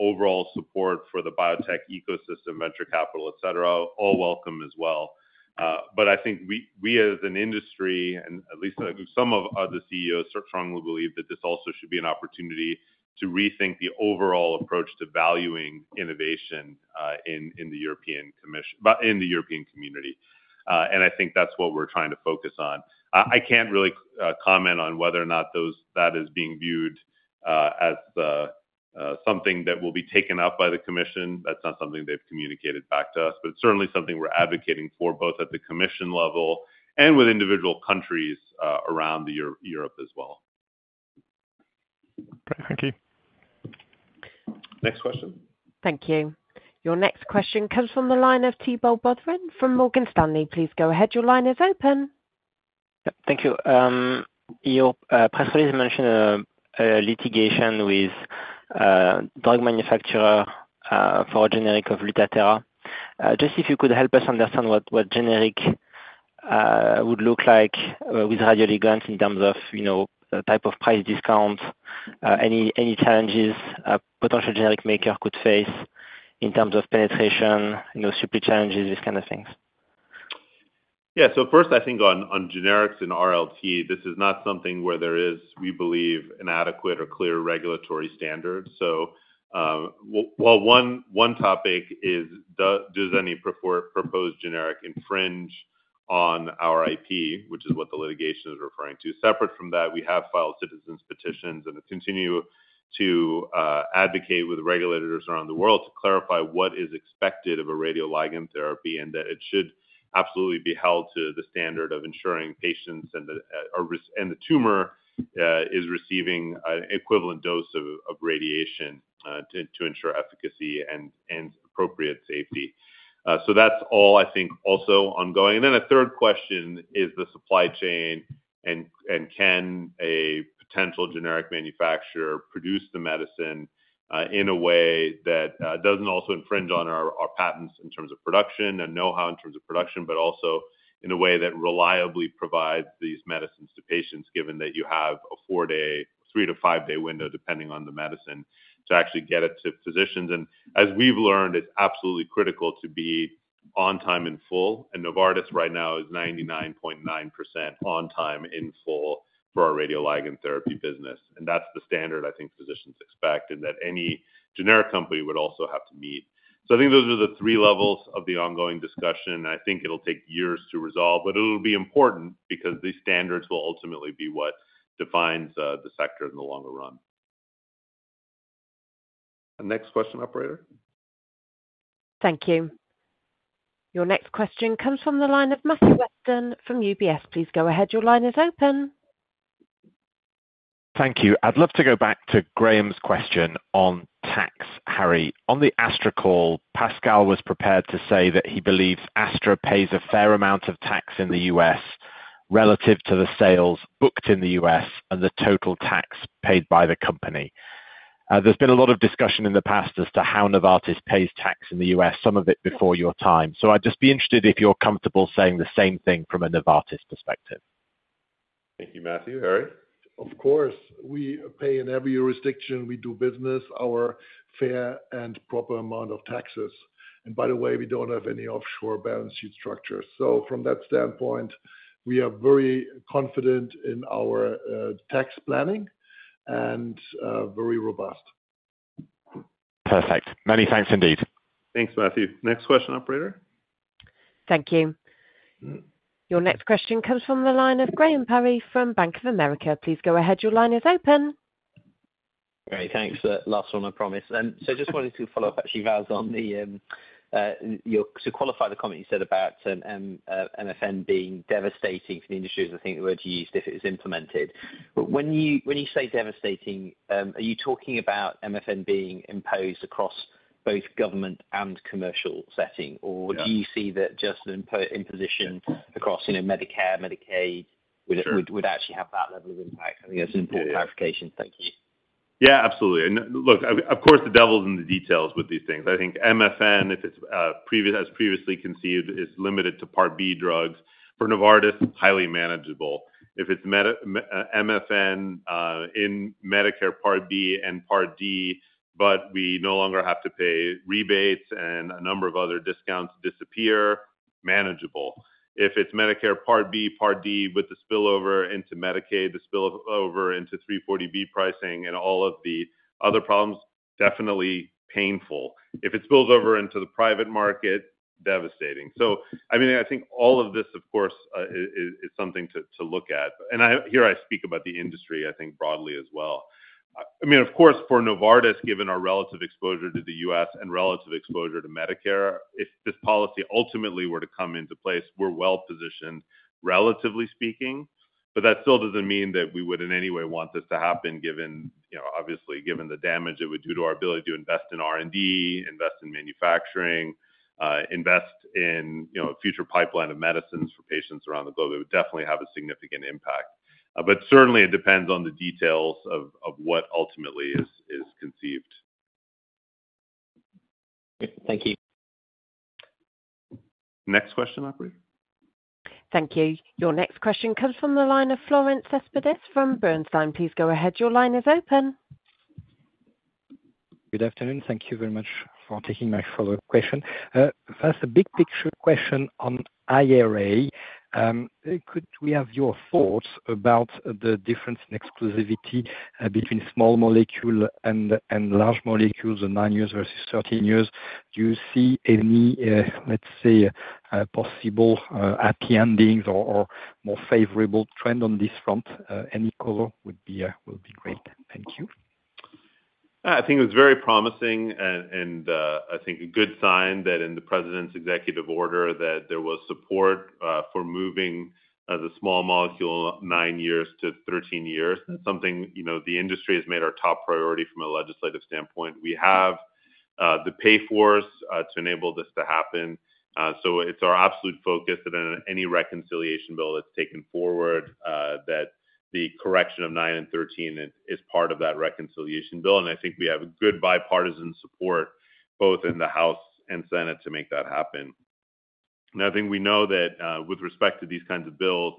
overall support for the biotech ecosystem, venture capital, et cetera, all welcome as well. I think we as an industry, and at least some of the CEOs, strongly believe that this also should be an opportunity to rethink the overall approach to valuing innovation in the European Commission, in the European community. I think that's what we're trying to focus on. I can't really comment on whether or not that is being viewed as something that will be taken up by the Commission. That's not something they've communicated back to us, but it's certainly something we're advocating for both at the Commission level and with individual countries around Europe as well. Thank you. Next question. Thank you. Your next question comes from the line of T-Bow Bodwin from Morgan Stanley. Please go ahead. Your line is open. Thank you. Your press release mentioned a litigation with a drug manufacturer for a generic of Lutathera. Just if you could help us understand what generic would look like with radioligands in terms of type of price discounts, any challenges a potential generic maker could face in terms of penetration, supply challenges, these kinds of things. Yeah. First, I think on generics and RLT, this is not something where there is, we believe, an adequate or clear regulatory standard. While one topic is, does any proposed generic infringe on our IP, which is what the litigation is referring to? Separate from that, we have filed citizens' petitions, and continue to advocate with regulators around the world to clarify what is expected of a radioligand therapy and that it should absolutely be held to the standard of ensuring patients and the tumor is receiving an equivalent dose of radiation to ensure efficacy and appropriate safety. That is all, I think, also ongoing. A third question is the supply chain, and can a potential generic manufacturer produce the medicine in a way that does not also infringe on our patents in terms of production and know-how in terms of production, but also in a way that reliably provides these medicines to patients, given that you have a four-day, three- to five-day window, depending on the medicine, to actually get it to physicians? As we have learned, it is absolutely critical to be on time and full. Novartis right now is 99.9% on time and full for our radioligand therapy business. That is the standard I think physicians expect and that any generic company would also have to meet. I think those are the three levels of the ongoing discussion. I think it'll take years to resolve, but it'll be important because these standards will ultimately be what defines the sector in the longer run. Next question, operator. Thank you. Your next question comes from the line of Matthew Weston from UBS. Please go ahead. Your line is open. Thank you. I'd love to go back to Graham's question on tax. Harry, on the Astra call, Pascal was prepared to say that he believes Astra pays a fair amount of tax in the U.S. relative to the sales booked in the U.S. and the total tax paid by the company. There's been a lot of discussion in the past as to how Novartis pays tax in the U.S., some of it before your time. I’d just be interested if you're comfortable saying the same thing from a Novartis perspective. Thank you, Matthew. Harry. Of course, we pay in every jurisdiction we do business our fair and proper amount of taxes. By the way, we do not have any offshore balance sheet structure. From that standpoint, we are very confident in our tax planning and very robust. Perfect. Many thanks indeed. Thanks, Matthew. Next question, operator. Thank you. Your next question comes from the line of Graham Parry from Bank of America. Please go ahead. Your line is open. Great. Thanks. Last one, I promise. I just wanted to follow up, actually, Vas, on your to qualify the comment you said about MFN being devastating for the industry is, I think, the word you used if it was implemented. When you say devastating, are you talking about MFN being imposed across both government and commercial setting, or do you see that just imposition across Medicare, Medicaid would actually have that level of impact? I think that's an important clarifica tion. Thank you. Yeah, absolutely. Look, of course, the devil's in the details with these things. I think MFN, if it's as previously conceived, is limited to Part B drugs. For Novartis, highly manageable. If it's MFN in Medicare Part B and Part D, but we no longer have to pay rebates and a number of other discounts disappear, manageable. If it's Medicare Part B, Part D with the spillover into Medicaid, the spillover into 340B pricing and all of the other problems, definitely painful. If it spills over into the private market, devastating. I mean, I think all of this, of course, is something to look at. Here I speak about the industry, I think, broadly as well. I mean, of course, for Novartis, given our relative exposure to the U.S. and relative exposure to Medicare, if this policy ultimately were to come into place, we're well positioned, relatively speaking. That still does not mean that we would in any way want this to happen, obviously, given the damage it would do to our ability to invest in R&D, invest in manufacturing, invest in a future pipeline of medicines for patients around the globe. It would definitely have a significant impact. Certainly, it depends on the details of what ultimately is conceived. Thank you. Next question, operator. Thank you. Your next question comes from the line of Florent Cespedes from Bernstein. Please go ahead. Your line is open. Good afternoon. Thank you very much for taking my follow-up question. First, a big picture question on IRA. Could we have your thoughts about the difference in exclusivity between small molecule and large molecules, the 9 years versus 13 years? Do you see any, let's say, possible happy endings or more favorable trend on this front? Any color would be great. Thank you. I think it was very promising, and I think a good sign that in the president's executive order that there was support for moving the small molecule 9 years to 13 years. That's something the industry has made our top priority from a legislative standpoint. We have the pay force to enable this to happen. It is our absolute focus that in any reconciliation bill that's taken forward, that the correction of 9 and 13 is part of that reconciliation bill. I think we have good bipartisan support both in the House and Senate to make that happen. I think we know that with respect to these kinds of bills,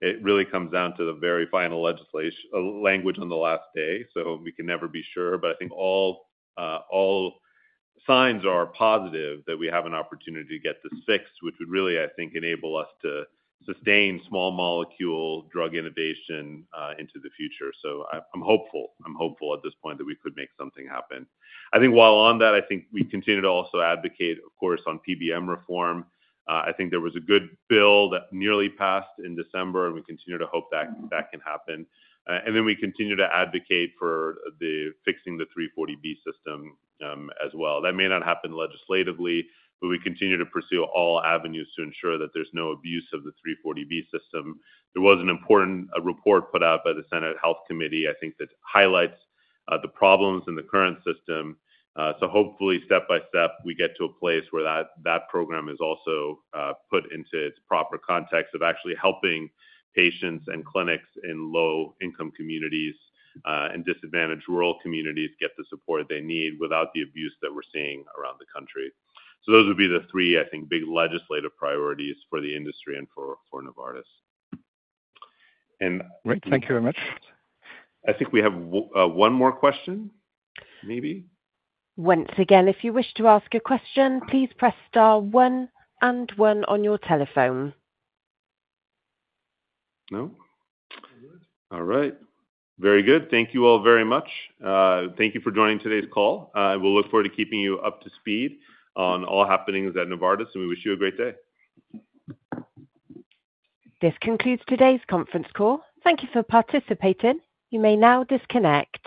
it really comes down to the very final language on the last day. We can never be sure. I think all signs are positive that we have an opportunity to get this fixed, which would really, I think, enable us to sustain small molecule drug innovation into the future. I'm hopeful. I'm hopeful at this point that we could make something happen. I think while on that, I think we continue to also advocate, of course, on PBM reform. I think there was a good bill that nearly passed in December, and we continue to hope that can happen. We continue to advocate for fixing the 340B system as well. That may not happen legislatively, but we continue to pursue all avenues to ensure that there's no abuse of the 340B system. There was an important report put out by the Senate Health Committee, I think, that highlights the problems in the current system. Hopefully, step by step, we get to a place where that program is also put into its proper context of actually helping patients and clinics in low-income communities and disadvantaged rural communities get the support they need without the abuse that we're seeing around the country. Those would be the three, I think, big legislative priorities for the industry and for Novartis. Great. Thank you very much. I think we have one more question, maybe. Once again, if you wish to ask a question, please press star one and one on your telephone. No. All right. Very good. Thank you all very much. Thank you for joining today's call. We'll look forward to keeping you up to speed on all happenings at Novartis, and we wish you a great day. This concludes today's conference call. Thank you for participating. You may now disconnect.